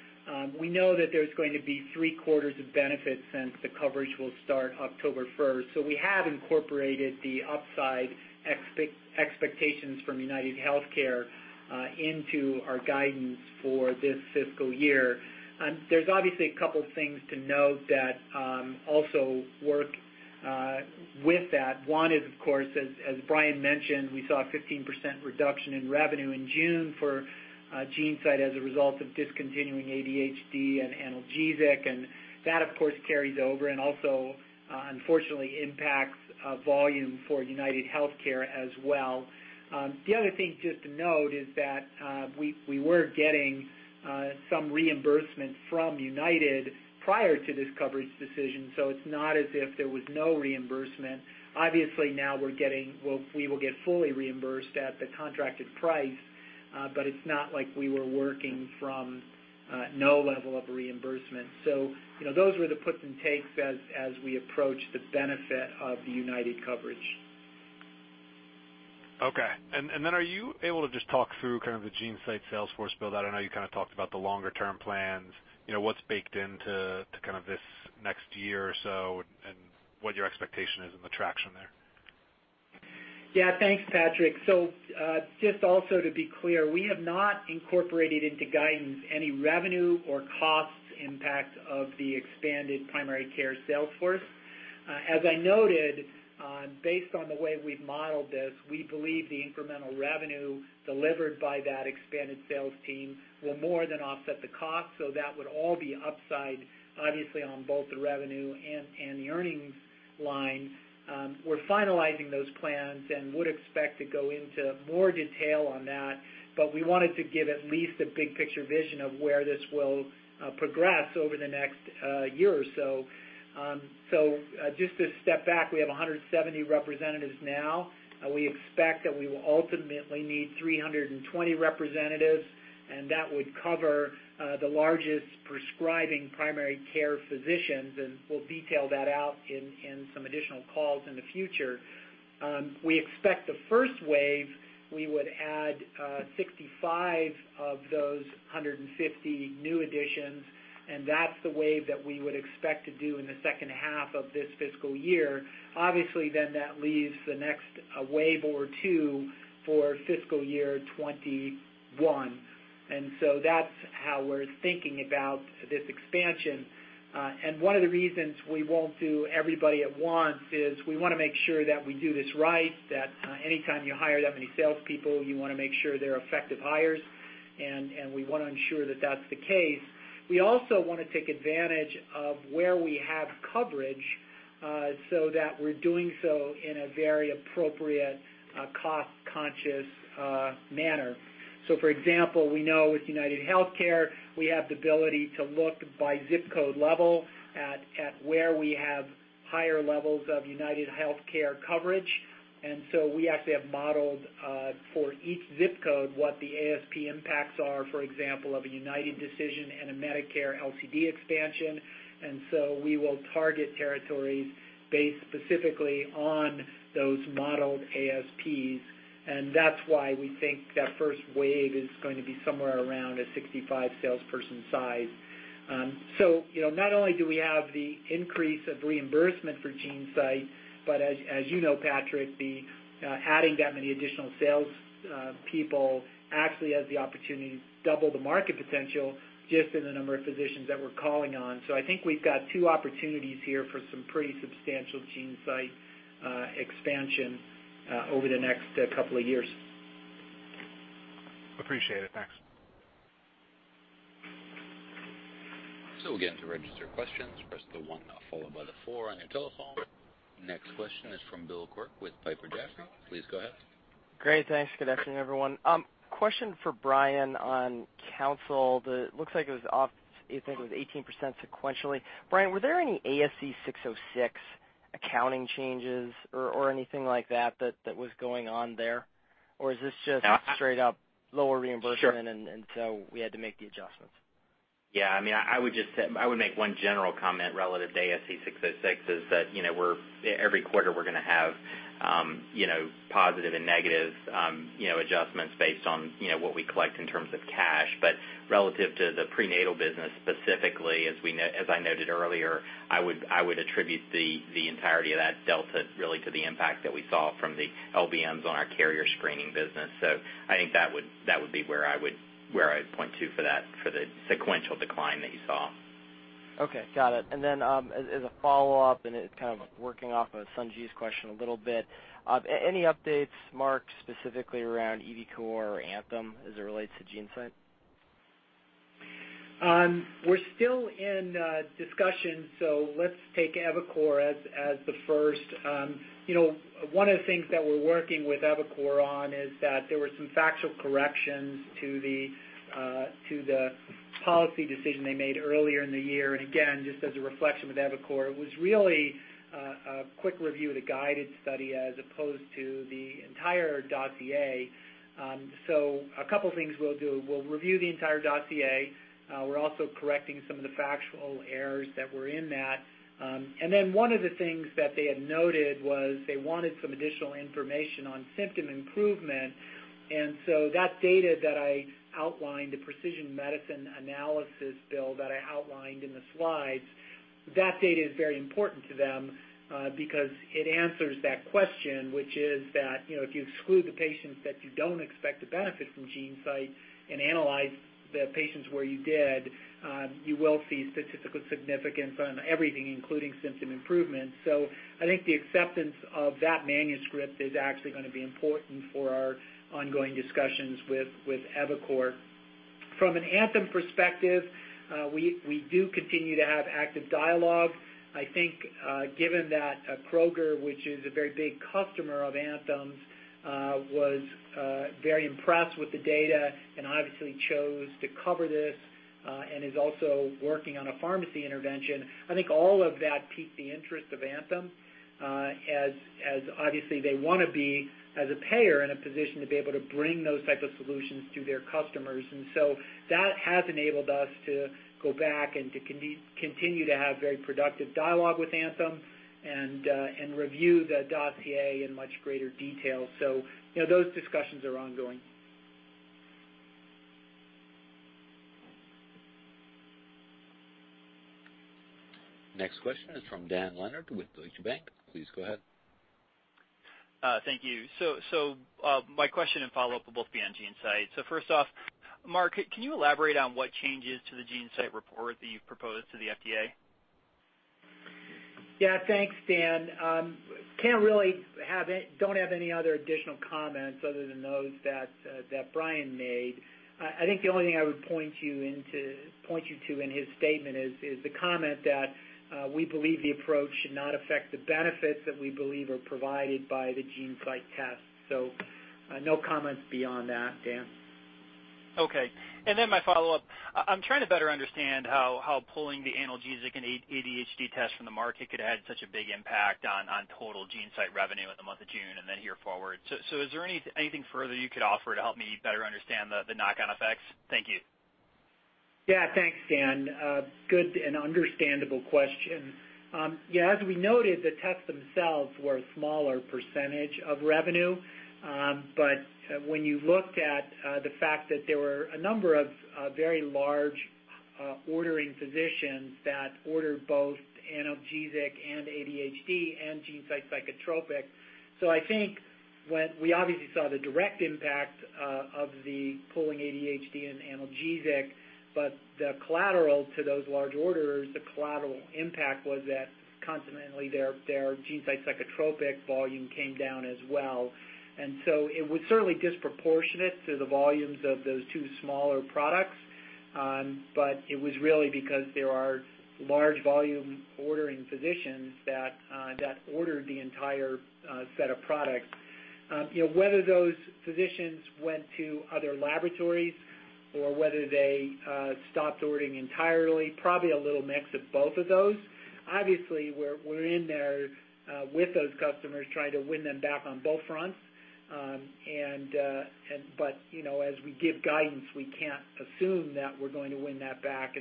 we know that there's going to be three quarters of benefits since the coverage will start October 1st. We have incorporated the upside expectations from UnitedHealthcare into our guidance for this fiscal year. There's obviously a couple things to note that also work with that. One is, of course, as Bryan mentioned, we saw a 15% reduction in revenue in June for GeneSight as a result of discontinuing ADHD and analgesic, and that, of course, carries over and also, unfortunately, impacts volume for UnitedHealthcare as well. The other thing just to note is that we were getting some reimbursement from United prior to this coverage decision, it's not as if there was no reimbursement. Obviously, now we will get fully reimbursed at the contracted price, but it's not like we were working from no level of reimbursement. Those were the puts and takes as we approach the benefit of the UnitedHealthcare coverage. Okay. Are you able to just talk through the GeneSight sales force build? I know you talked about the longer term plans. What's baked into this next year or so, and what your expectation is on the traction there? Yeah, thanks, Patrick. Just also to be clear, we have not incorporated into guidance any revenue or cost impact of the expanded primary care sales force. As I noted, based on the way we've modeled this, we believe the incremental revenue delivered by that expanded sales team will more than offset the cost. That would all be upside, obviously, on both the revenue and the earnings line. We're finalizing those plans and would expect to go into more detail on that, but we wanted to give at least a big-picture vision of where this will progress over the next year or so. Just to step back, we have 170 representatives now. We expect that we will ultimately need 320 representatives, and that would cover the largest prescribing primary care physicians, and we'll detail that out in some additional calls in the future. We expect the first wave, we would add 65 of those 150 new additions, and that's the wave that we would expect to do in the second half of this fiscal year. Obviously, that leaves the next wave or two for fiscal year 2021. That's how we're thinking about this expansion. One of the reasons we won't do everybody at once is we want to make sure that we do this right, that any time you hire that many salespeople, you want to make sure they're effective hires. We want to ensure that that's the case. We also want to take advantage of where we have coverage, so that we're doing so in a very appropriate, cost-conscious manner. For example, we know with UnitedHealthcare, we have the ability to look by ZIP code level at where we have higher levels of UnitedHealthcare coverage. We actually have modeled, for each ZIP code, what the ASP impacts are, for example, of a United decision and a Medicare LCD expansion. We will target territories based specifically on those modeled ASPs, and that's why we think that first wave is going to be somewhere around a 65 salesperson size. Not only do we have the increase of reimbursement for GeneSight, but as you know, Patrick, adding that many additional salespeople actually has the opportunity to double the market potential just in the number of physicians that we're calling on. I think we've got two opportunities here for some pretty substantial GeneSight expansion over the next couple of years. Appreciate it. Thanks. Again, to register questions, press the one followed by the four on your telephone. Next question is from Bill Quirk with Piper Jaffray. Please go ahead. Great. Thanks. Good afternoon, everyone. Question for Bryan on Counsyl. It looks like it was off 18% sequentially. Bryan, were there any ASC 606 accounting changes or anything like that that was going on there? Is this just straight up lower reimbursement and so we had to make the adjustments? I would make one general comment relative to ASC 606 is that every quarter we're going to have positive and negative adjustments based on what we collect in terms of cash. Relative to the prenatal business specifically, as I noted earlier, I would attribute the entirety of that delta really to the impact that we saw from the LBMs on our carrier screening business too for the sequential decline that you saw. Okay, got it. Then, as a follow-up, and it's kind of working off of Sung Ji's question a little bit, any updates, Mark, specifically around eviCore or Anthem as it relates to GeneSight? We're still in discussion. Let's take eviCore as the first. One of the things that we're working with eviCore on is that there were some factual corrections to the policy decision they made earlier in the year. Again, just as a reflection with eviCore, it was really a quick review of the GUIDED study as opposed to the entire dossier. A couple of things we'll do. We'll review the entire dossier. We're also correcting some of the factual errors that were in that. One of the things that they had noted was they wanted some additional information on symptom improvement. That data that I outlined, the precision medicine analysis bill that I outlined in the slides, that data is very important to them, because it answers that question, which is that, if you exclude the patients that you don't expect to benefit from GeneSight and analyze the patients where you did, you will see statistical significance on everything, including symptom improvement. I think the acceptance of that manuscript is actually going to be important for our ongoing discussions with eviCore. From an Anthem perspective, we do continue to have active dialogue. I think, given that Kroger, which is a very big customer of Anthem's, was very impressed with the data and obviously chose to cover this and is also working on a pharmacy intervention, I think all of that piqued the interest of Anthem, as obviously they want to be, as a payer, in a position to be able to bring those type of solutions to their customers. That has enabled us to go back and to continue to have very productive dialogue with Anthem and review the dossier in much greater detail. Those discussions are ongoing. Next question is from Dan Leonard with Deutsche Bank. Please go ahead. Thank you. My question and follow-up will both be on GeneSight. First off, Mark, can you elaborate on what changes to the GeneSight report that you've proposed to the FDA? Yeah. Thanks, Dan. Don't have any other additional comments other than those that Bryan made. I think the only thing I would point you to in his statement is the comment that we believe the approach should not affect the benefits that we believe are provided by the GeneSight test. No comments beyond that, Dan. Okay. My follow-up. I'm trying to better understand how pulling the analgesic and ADHD tests from the market could have had such a big impact on total GeneSight revenue in the month of June and then here forward. Is there anything further you could offer to help me better understand the knock-on effects? Thank you. Thanks, Dan. Good and understandable question. As we noted, the tests themselves were a smaller % of revenue. When you looked at the fact that there were a number of very large ordering physicians that ordered both analgesic and ADHD and GeneSight Psychotropic. I think we obviously saw the direct impact of the pulling ADHD and analgesic, but the collateral to those large orders, the collateral impact was that consequently, their GeneSight Psychotropic volume came down as well. It was certainly disproportionate to the volumes of those two smaller products, but it was really because there are large volume ordering physicians that ordered the entire set of products. Whether those physicians went to other laboratories or whether they stopped ordering entirely, probably a little mix of both of those. Obviously, we're in there with those customers trying to win them back on both fronts. As we give guidance, we can't assume that we're going to win that back.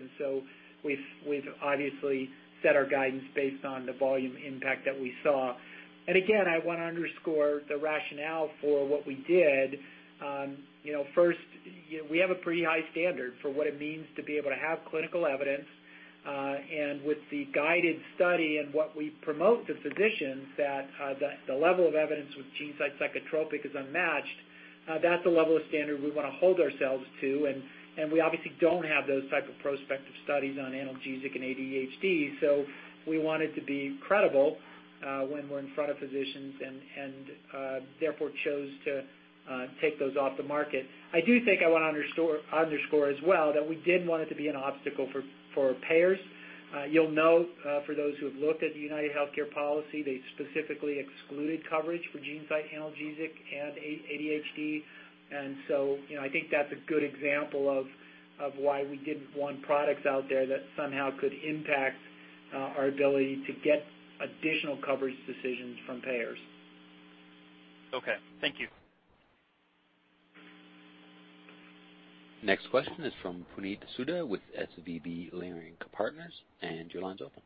We've obviously set our guidance based on the volume impact that we saw. Again, I want to underscore the rationale for what we did. First, we have a pretty high standard for what it means to be able to have clinical evidence, and with the GUIDED study and what we promote to physicians, that the level of evidence with GeneSight Psychotropic is unmatched. That's the level of standard we want to hold ourselves to, and we obviously don't have those type of prospective studies on analgesic and ADHD. We wanted to be credible when we're in front of physicians and therefore chose to take those off the market. I do think I want to underscore as well that we didn't want it to be an obstacle for payers. You'll note, for those who have looked at the UnitedHealthcare policy, they specifically excluded coverage for GeneSight analgesic and ADHD. I think that's a good example of why we didn't want products out there that somehow could impact our ability to get additional coverage decisions from payers. Okay. Thank you. Next question is from Puneet Souda with SVB Leerink. Your line's open.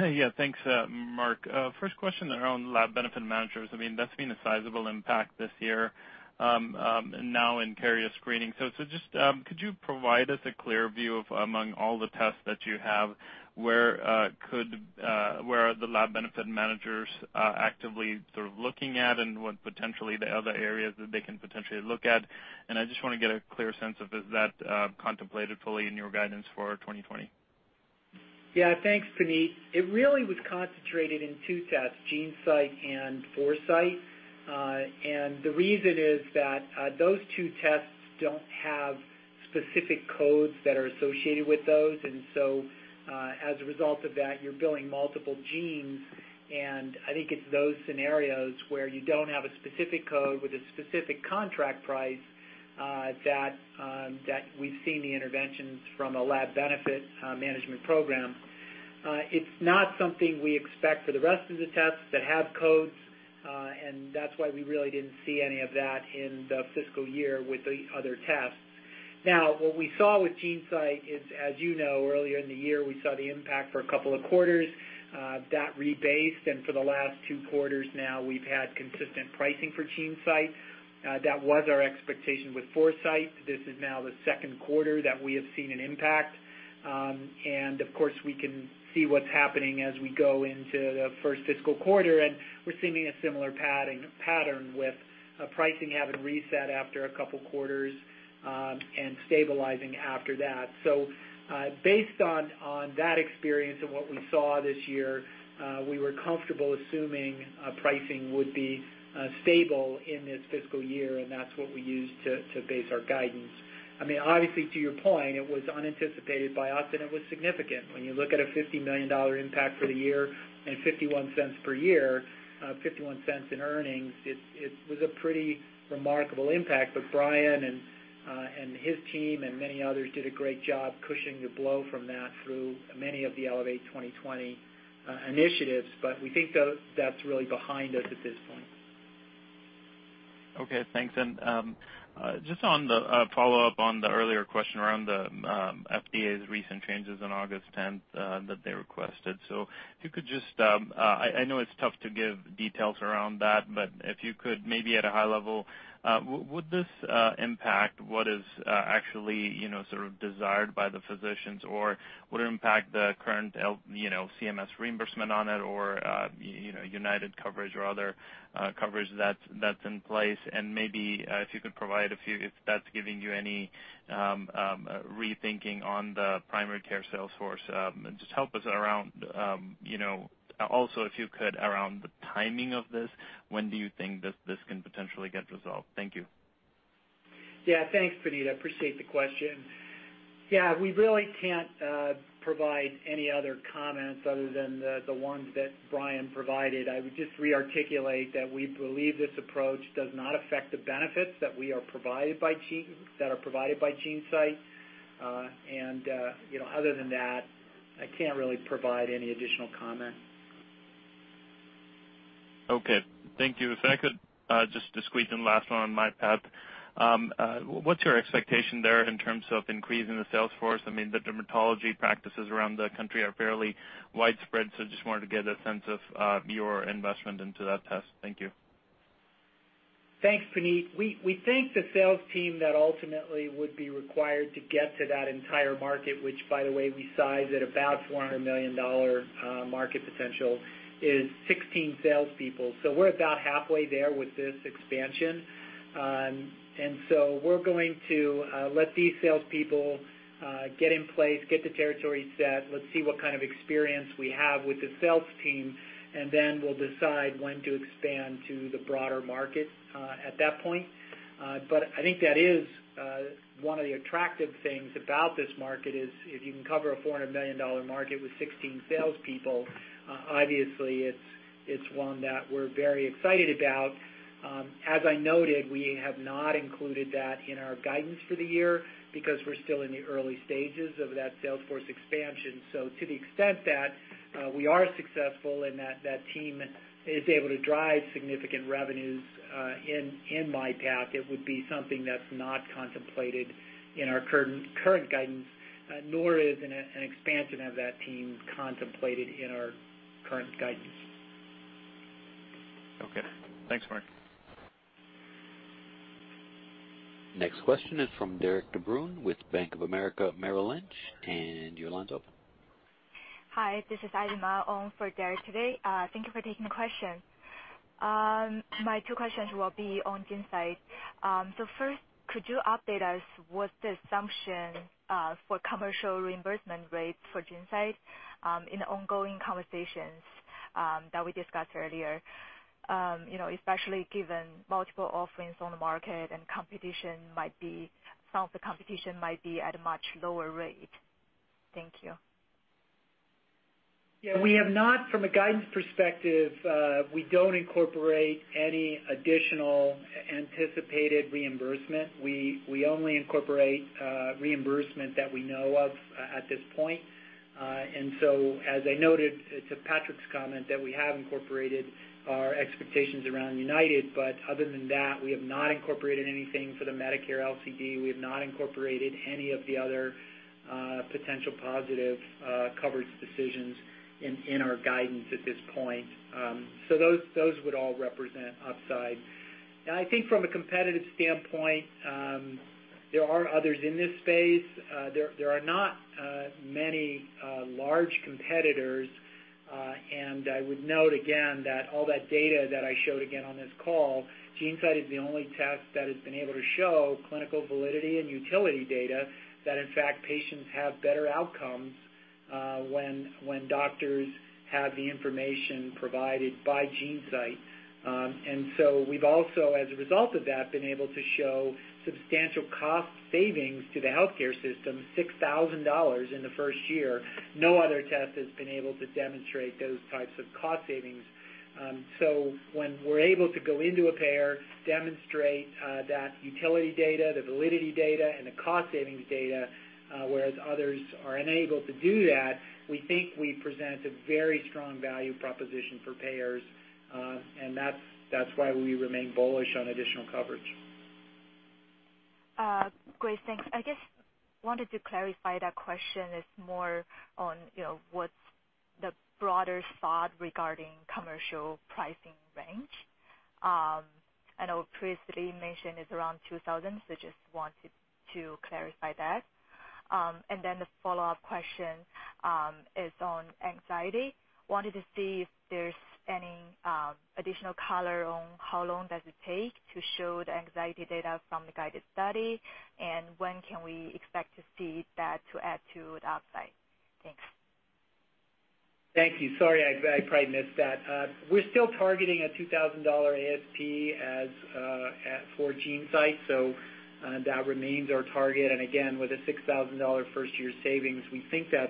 Yeah, thanks, Mark. First question around Laboratory Benefit Managers. That's been a sizable impact this year, and now in carrier screening. Just could you provide us a clear view of, among all the tests that you have, where the Laboratory Benefit Managers are actively sort of looking at and what potentially the other areas that they can potentially look at? I just want to get a clear sense of, is that contemplated fully in your guidance for 2020? Yeah. Thanks, Puneet. It really was concentrated in two tests, GeneSight and Foresight. The reason is that those two tests don't have specific codes that are associated with those. As a result of that, you're billing multiple genes. I think it's those scenarios where you don't have a specific code with a specific contract price, that we've seen the interventions from a lab benefit management program. It's not something we expect for the rest of the tests that have codes, and that's why we really didn't see any of that in the fiscal year with the other tests. What we saw with GeneSight is, as you know, earlier in the year, we saw the impact for a couple of quarters. That rebased, and for the last two quarters now, we've had consistent pricing for GeneSight. That was our expectation with Foresight. This is now the second quarter that we have seen an impact. Of course, we can see what's happening as we go into the first fiscal quarter, and we're seeing a similar pattern with pricing having reset after a couple of quarters, and stabilizing after that. Based on that experience and what we saw this year, we were comfortable assuming pricing would be stable in this fiscal year, and that's what we used to base our guidance. Obviously, to your point, it was unanticipated by us, and it was significant. When you look at a $50 million impact for the year and $0.51 per year, $0.51 in earnings, it was a pretty remarkable impact. Bryan Riggsbee and his team and many others did a great job cushioning the blow from that through many of the Elevate 2020 initiatives. We think that's really behind us at this point. Okay, thanks. Just on the follow-up on the earlier question around the FDA's recent changes on August 10th that they requested. If you could just I know it's tough to give details around that, but if you could maybe at a high level, would this impact what is actually sort of desired by the physicians, or would it impact the current CMS reimbursement on it, or United coverage or other coverage that's in place? Maybe if you could provide a few, if that's giving you any rethinking on the primary care sales force. Just help us around, also, if you could, around the timing of this, when do you think this can potentially get resolved? Thank you. Thanks, Puneet. I appreciate the question. We really can't provide any other comments other than the ones that Bryan provided. I would just re-articulate that we believe this approach does not affect the benefits that are provided by GeneSight. Other than that, I can't really provide any additional comment. Okay. Thank you. If I could just squeeze in last one on myPath. What's your expectation there in terms of increasing the sales force? The dermatology practices around the country are fairly widespread. Just wanted to get a sense of your investment into that test. Thank you. Thanks, Puneet. We think the sales team that ultimately would be required to get to that entire market, which by the way, we size at about $400 million market potential, is 16 salespeople. We're about halfway there with this expansion. We're going to let these salespeople get in place, get the territory set. Let's see what kind of experience we have with the sales team, and then we'll decide when to expand to the broader market at that point. I think that is one of the attractive things about this market is if you can cover a $400 million market with 16 salespeople, obviously it's one that we're very excited about. As I noted, we have not included that in our guidance for the year because we're still in the early stages of that sales force expansion. To the extent that we are successful and that team is able to drive significant revenues in myPath, it would be something that's not contemplated in our current guidance, nor is an expansion of that team contemplated in our current guidance. Okay. Thanks, Mark. Next question is from Derik DeBruin with Bank of America Merrill Lynch. Your line's open. Hi, this is Aileen Ma on for Derik today. Thank you for taking the question. My two questions will be on GeneSight. First, could you update us what's the assumption for commercial reimbursement rates for GeneSight in the ongoing conversations that we discussed earlier? Especially given multiple offerings on the market and some of the competition might be at a much lower rate. Thank you. Yeah. From a guidance perspective, we don't incorporate any additional anticipated reimbursement. We only incorporate reimbursement that we know of at this point. As I noted to Patrick's comment, that we have incorporated our expectations around United. Other than that, we have not incorporated anything for the Medicare LCD. We have not incorporated any of the other potential positive coverage decisions in our guidance at this point. Those would all represent upside. I think from a competitive standpoint, there are others in this space. There are not many large competitors. I would note again that all that data that I showed again on this call, GeneSight is the only test that has been able to show clinical validity and utility data that, in fact, patients have better outcomes when doctors have the information provided by GeneSight. We've also, as a result of that, been able to show substantial cost savings to the healthcare system, $6,000 in the first year. No other test has been able to demonstrate those types of cost savings. When we're able to go into a payer, demonstrate that utility data, the validity data, and the cost savings data, whereas others are unable to do that, we think we present a very strong value proposition for payers. That's why we remain bullish on additional coverage. Great, thanks. I just wanted to clarify that question is more on what's the broader thought regarding commercial pricing range. I know previously mentioned it's around $2,000, so just wanted to clarify that. The follow-up question is on anxiety. Wanted to see if there's any additional color on how long does it take to show the anxiety data from the GUIDED study, and when can we expect to see that to add to the upside? Thanks. Thank you. Sorry, I probably missed that. We're still targeting a $2,000 ASP for GeneSight, so that remains our target. Again, with a $6,000 first-year savings, we think that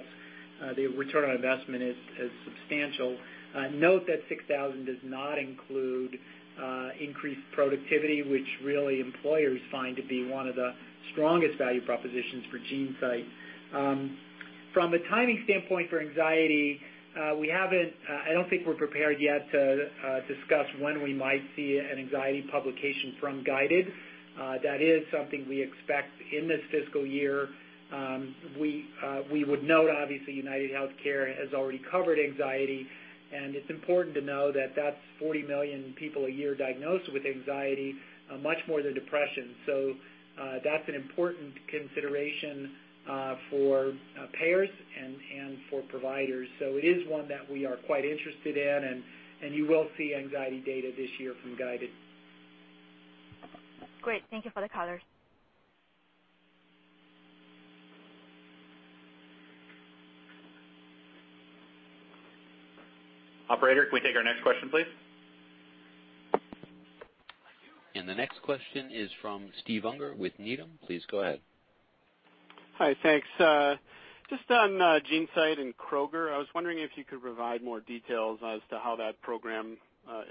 the return on investment is substantial. Note that $6,000 does not include increased productivity, which really employers find to be one of the strongest value propositions for GeneSight. From a timing standpoint for anxiety, I don't think we're prepared yet to discuss when we might see an anxiety publication from GUIDED. That is something we expect in this fiscal year. We would note, obviously, UnitedHealthcare has already covered anxiety, and it's important to know that that's 40 million people a year diagnosed with anxiety, much more than depression. That's an important consideration for payers and for providers. It is one that we are quite interested in, and you will see anxiety data this year from GUIDED. Great. Thank you for the color. Operator, can we take our next question, please? The next question is from Steve Unger with Needham. Please go ahead. Hi, thanks. Just on GeneSight and Kroger, I was wondering if you could provide more details as to how that program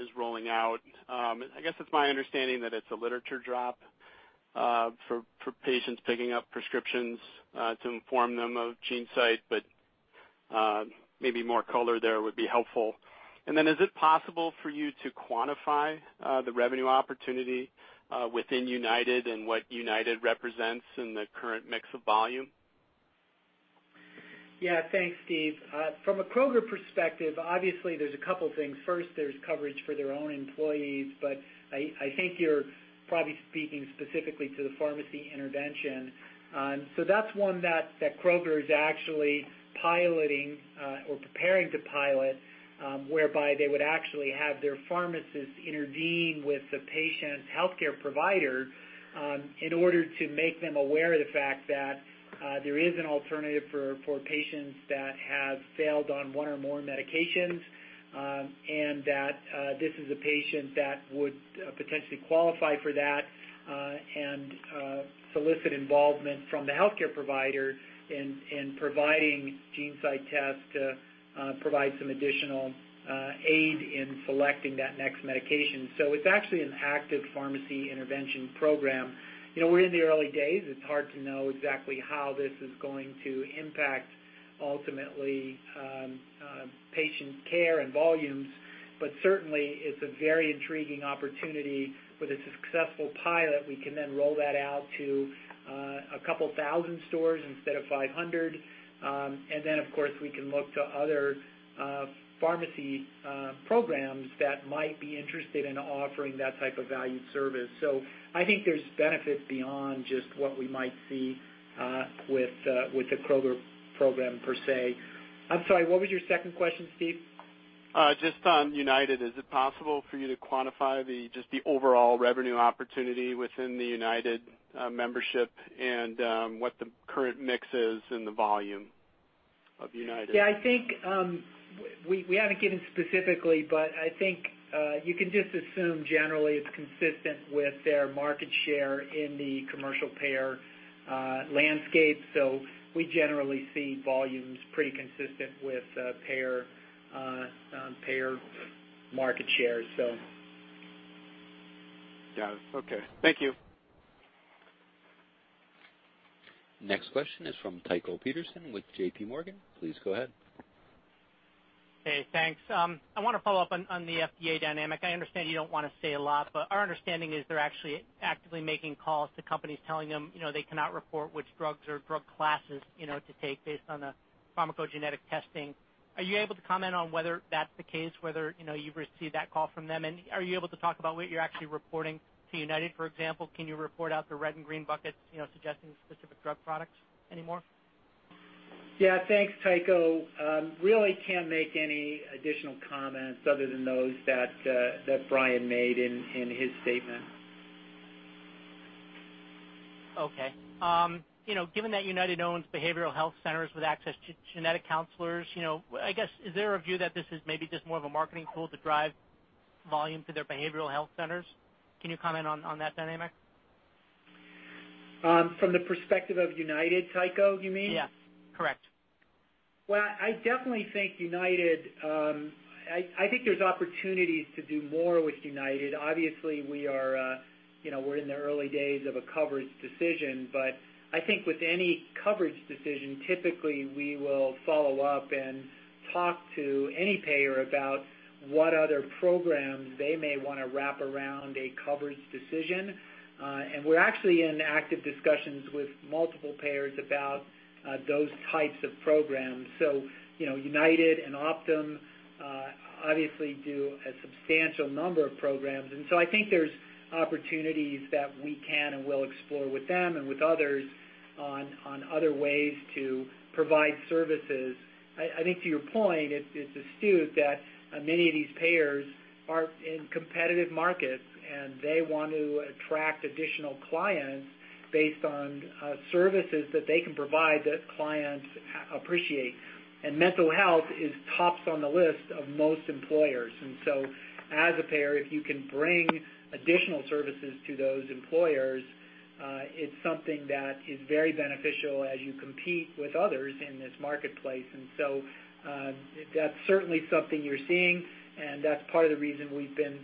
is rolling out. I guess it's my understanding that it's a literature drop for patients picking up prescriptions to inform them of GeneSight, but maybe more color there would be helpful. Is it possible for you to quantify the revenue opportunity within United and what United represents in the current mix of volume? Thanks, Steve. From a Kroger perspective, obviously, there's two things. First, there's coverage for their own employees. I think you're probably speaking specifically to the pharmacy intervention. That's one that Kroger is actually piloting or preparing to pilot, whereby they would actually have their pharmacist intervene with the patient's healthcare provider in order to make them aware of the fact that there is an alternative for patients that have failed on one or more medications, and that this is a patient that would potentially qualify for that and solicit involvement from the healthcare provider in providing GeneSight test to provide some additional aid in selecting that next medication. It's actually an active pharmacy intervention program. We're in the early days. It's hard to know exactly how this is going to impact, ultimately, patient care and volumes. Certainly, it's a very intriguing opportunity. With a successful pilot, we can then roll that out to a couple thousand stores instead of 500. Of course, we can look to other pharmacy programs that might be interested in offering that type of value service. I think there's benefits beyond just what we might see with the Kroger program, per se. I'm sorry, what was your second question, Steve? Just on United, is it possible for you to quantify just the overall revenue opportunity within the United membership and what the current mix is in the volume of United? Yeah, we haven't given specifically, but I think you can just assume generally it's consistent with their market share in the commercial payer landscape. We generally see volumes pretty consistent with payer market shares, so. Got it. Okay. Thank you. Next question is from Tycho Peterson with J.P. Morgan. Please go ahead. Hey, thanks. I want to follow up on the FDA dynamic. I understand you don't want to say a lot, but our understanding is they're actually actively making calls to companies telling them they cannot report which drugs or drug classes to take based on the pharmacogenetic testing. Are you able to comment on whether that's the case, whether you've received that call from them? Are you able to talk about what you're actually reporting to United, for example? Can you report out the red and green buckets suggesting specific drug products anymore? Yeah. Thanks, Tycho. Really can't make any additional comments other than those that Bryan made in his statement. Okay. Given that United owns behavioral health centers with access to genetic counselors, I guess, is there a view that this is maybe just more of a marketing tool to drive volume to their behavioral health centers? Can you comment on that dynamic? From the perspective of UnitedHealthcare, Tycho, you mean? Yes. Correct. Well, I definitely think there's opportunities to do more with United. We're in the early days of a coverage decision. I think with any coverage decision, typically, we will follow up and talk to any payer about what other programs they may want to wrap around a coverage decision. We're actually in active discussions with multiple payers about those types of programs. United and Optum, obviously do a substantial number of programs. I think there's opportunities that we can and will explore with them and with others on other ways to provide services. I think to your point, it's astute that many of these payers are in competitive markets. They want to attract additional clients based on services that they can provide that clients appreciate. Mental health is tops on the list of most employers. As a payer, if you can bring additional services to those employers, it's something that is very beneficial as you compete with others in this marketplace. That's certainly something you're seeing, and that's part of the reason we've been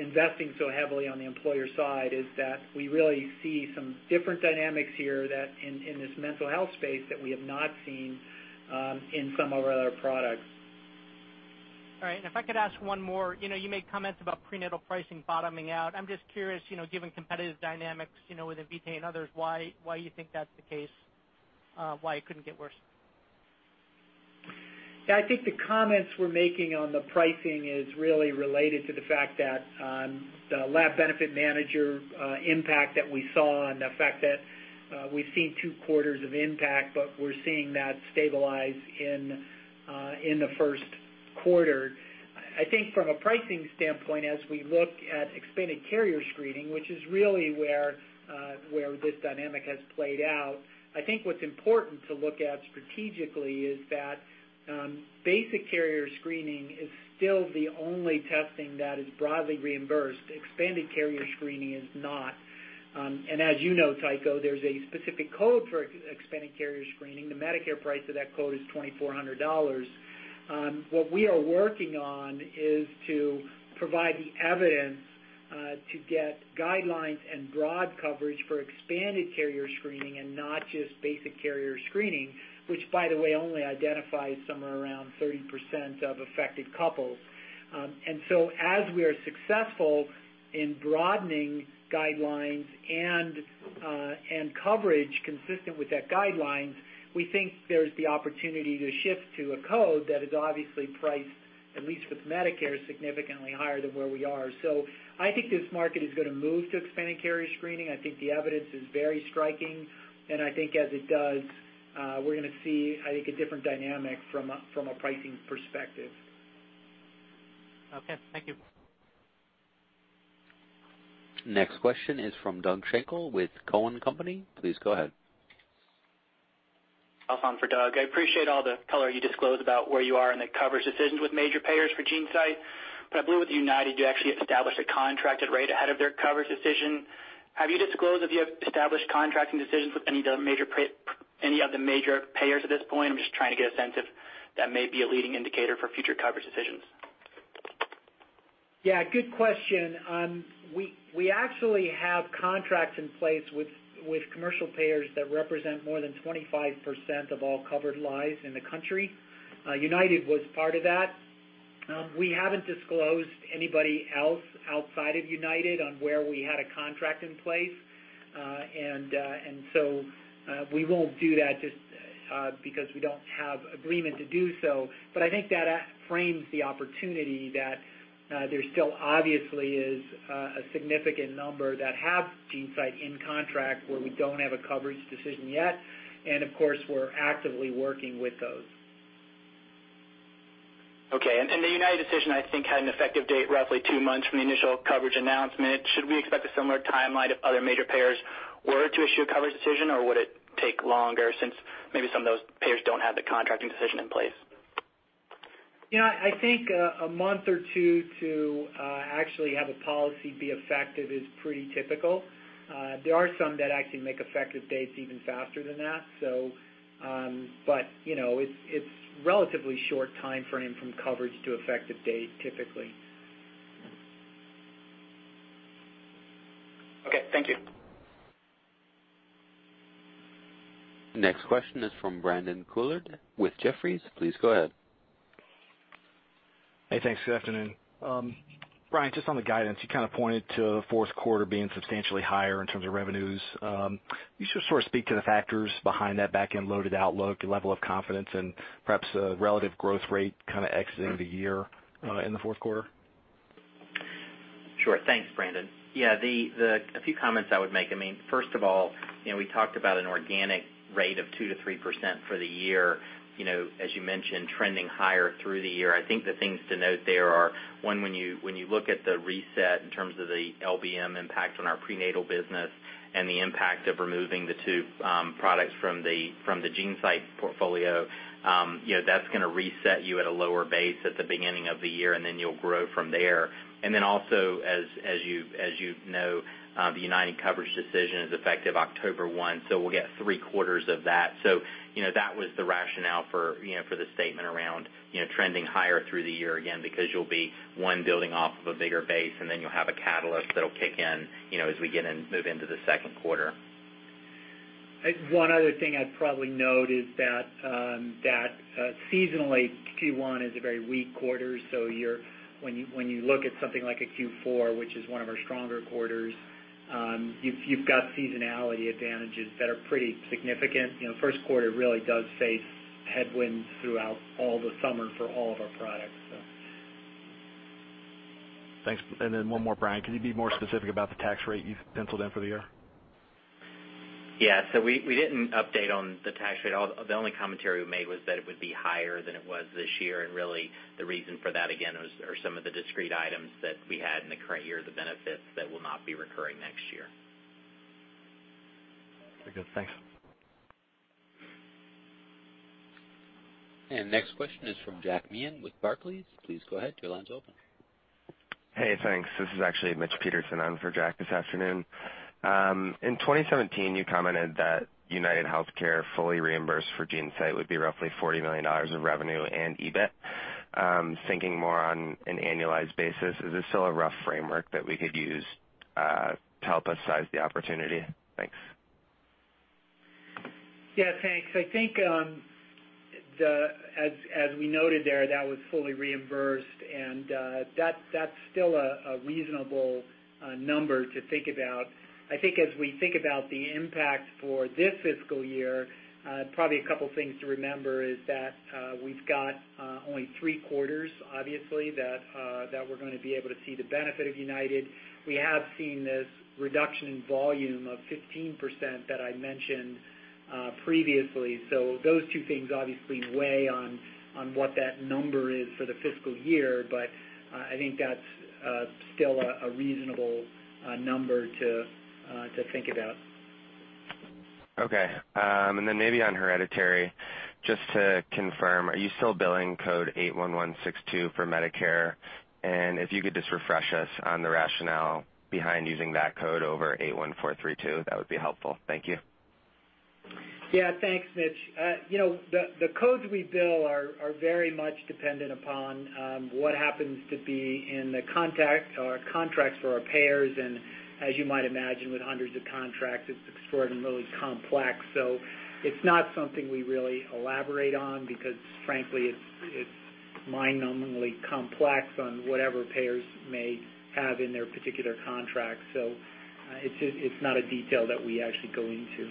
investing so heavily on the employer side, is that we really see some different dynamics here in this mental health space that we have not seen in some of our other products. All right. If I could ask one more. You made comments about prenatal pricing bottoming out. I'm just curious, given competitive dynamics within Invitae and others, why you think that's the case, why it couldn't get worse? Yeah, I think the comments we're making on the pricing is really related to the fact that the lab benefit manager impact that we saw and the fact that we've seen 2 quarters of impact, but we're seeing that stabilize in the 1st quarter. I think from a pricing standpoint, as we look at expanded carrier screening, which is really where this dynamic has played out, I think what's important to look at strategically is that basic carrier screening is still the only testing that is broadly reimbursed. Expanded carrier screening is not. As you know, Tycho, there's a specific code for expanded carrier screening. The Medicare price of that code is $2,400. What we are working on is to provide the evidence, to get guidelines and broad coverage for expanded carrier screening and not just basic carrier screening, which, by the way, only identifies somewhere around 30% of affected couples. As we are successful in broadening guidelines and coverage consistent with that guidelines, we think there's the opportunity to shift to a code that is obviously priced, at least with Medicare, significantly higher than where we are. I think this market is going to move to expanded carrier screening. I think the evidence is very striking, and I think as it does, we're going to see, I think, a different dynamic from a pricing perspective. Okay. Thank you. Next question is from Doug Schenkel with Cowen and Company. Please go ahead. I'll phone for Doug. I appreciate all the color you disclosed about where you are in the coverage decisions with major payers for GeneSight. I believe with United, you actually established a contracted rate ahead of their coverage decision. Have you disclosed if you have established contracting decisions with any of the major payers at this point? I'm just trying to get a sense if that may be a leading indicator for future coverage decisions. Yeah. Good question. We actually have contracts in place with commercial payers that represent more than 25% of all covered lives in the country. United was part of that. We haven't disclosed anybody else outside of United on where we had a contract in place. We won't do that just because we don't have agreement to do so. I think that frames the opportunity that there still obviously is a significant number that have GeneSight in contract where we don't have a coverage decision yet. Of course, we're actively working with those. Okay. The United decision, I think, had an effective date roughly two months from the initial coverage announcement. Should we expect a similar timeline if other major payers were to issue a coverage decision, or would it take longer since maybe some of those payers don't have the contracting decision in place? I think a month or two to actually have a policy be effective is pretty typical. There are some that actually make effective dates even faster than that. It's relatively short timeframe from coverage to effective date, typically. Okay. Thank you. Next question is from Brandon Couillard with Jefferies. Please go ahead. Hey, thanks. Good afternoon. Bryan, just on the guidance, you kind of pointed to fourth quarter being substantially higher in terms of revenues. Can you just sort of speak to the factors behind that back-end loaded outlook, your level of confidence, and perhaps the relative growth rate kind of exiting the year in the fourth quarter? Sure. Thanks, Brandon. Yeah, a few comments I would make. First of all, we talked about an organic rate of 2% to 3% for the year, as you mentioned, trending higher through the year. I think the things to note there are, one, when you look at the reset in terms of the LBM impact on our prenatal business and the impact of removing the two products from the GeneSight portfolio, that's going to reset you at a lower base at the beginning of the year, then you'll grow from there. Also, as you know, the United coverage decision is effective October 1, so we'll get three-quarters of that. That was the rationale for the statement around trending higher through the year, again, because you'll be, one, building off of a bigger base, and then you'll have a catalyst that'll kick in as we move into the second quarter. One other thing I'd probably note is that seasonally, Q1 is a very weak quarter, so when you look at something like a Q4, which is one of our stronger quarters, you've got seasonality advantages that are pretty significant. First quarter really does face headwinds throughout all the summer for all of our products. Thanks. Then one more, Bryan, could you be more specific about the tax rate you've penciled in for the year? Yeah. We didn't update on the tax rate. The only commentary we made was that it would be higher than it was this year, and really the reason for that, again, are some of the discrete items that we had in the current year, the benefits that will not be recurring next year. Good. Thanks. Next question is from Jack Meehan with Barclays. Please go ahead, your line's open. Hey, thanks. This is actually Mitchell Petersen on for Jack this afternoon. In 2017, you commented that UnitedHealthcare fully reimbursed for GeneSight would be roughly $40 million of revenue and EBIT. Thinking more on an annualized basis, is this still a rough framework that we could use to help us size the opportunity? Thanks. Yeah, thanks. I think, as we noted there, that was fully reimbursed, and that's still a reasonable number to think about. I think as we think about the impact for this fiscal year, probably a couple things to remember is that we've got only three quarters, obviously, that we're going to be able to see the benefit of United. We have seen this reduction in volume of 15% that I mentioned previously. Those two things obviously weigh on what that number is for the fiscal year. I think that's still a reasonable number to think about. Okay. Maybe on hereditary, just to confirm, are you still billing code 81162 for Medicare? If you could just refresh us on the rationale behind using that code over 81432, that would be helpful. Thank you. Yeah. Thanks, Mitch. The codes we bill are very much dependent upon what happens to be in the contracts for our payers. As you might imagine, with hundreds of contracts, it's extraordinarily complex. It's not something we really elaborate on because frankly, it's mind-numbingly complex on whatever payers may have in their particular contracts. It's not a detail that we actually go into.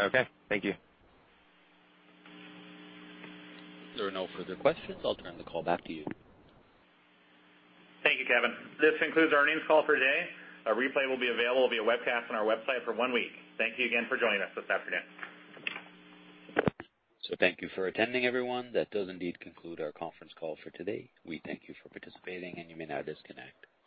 Okay. Thank you. There are no further questions. I'll turn the call back to you. Thank you, Kevin. This concludes our earnings call for today. A replay will be available via webcast on our website for one week. Thank you again for joining us this afternoon. Thank you for attending, everyone. That does indeed conclude our conference call for today. We thank you for participating, and you may now disconnect.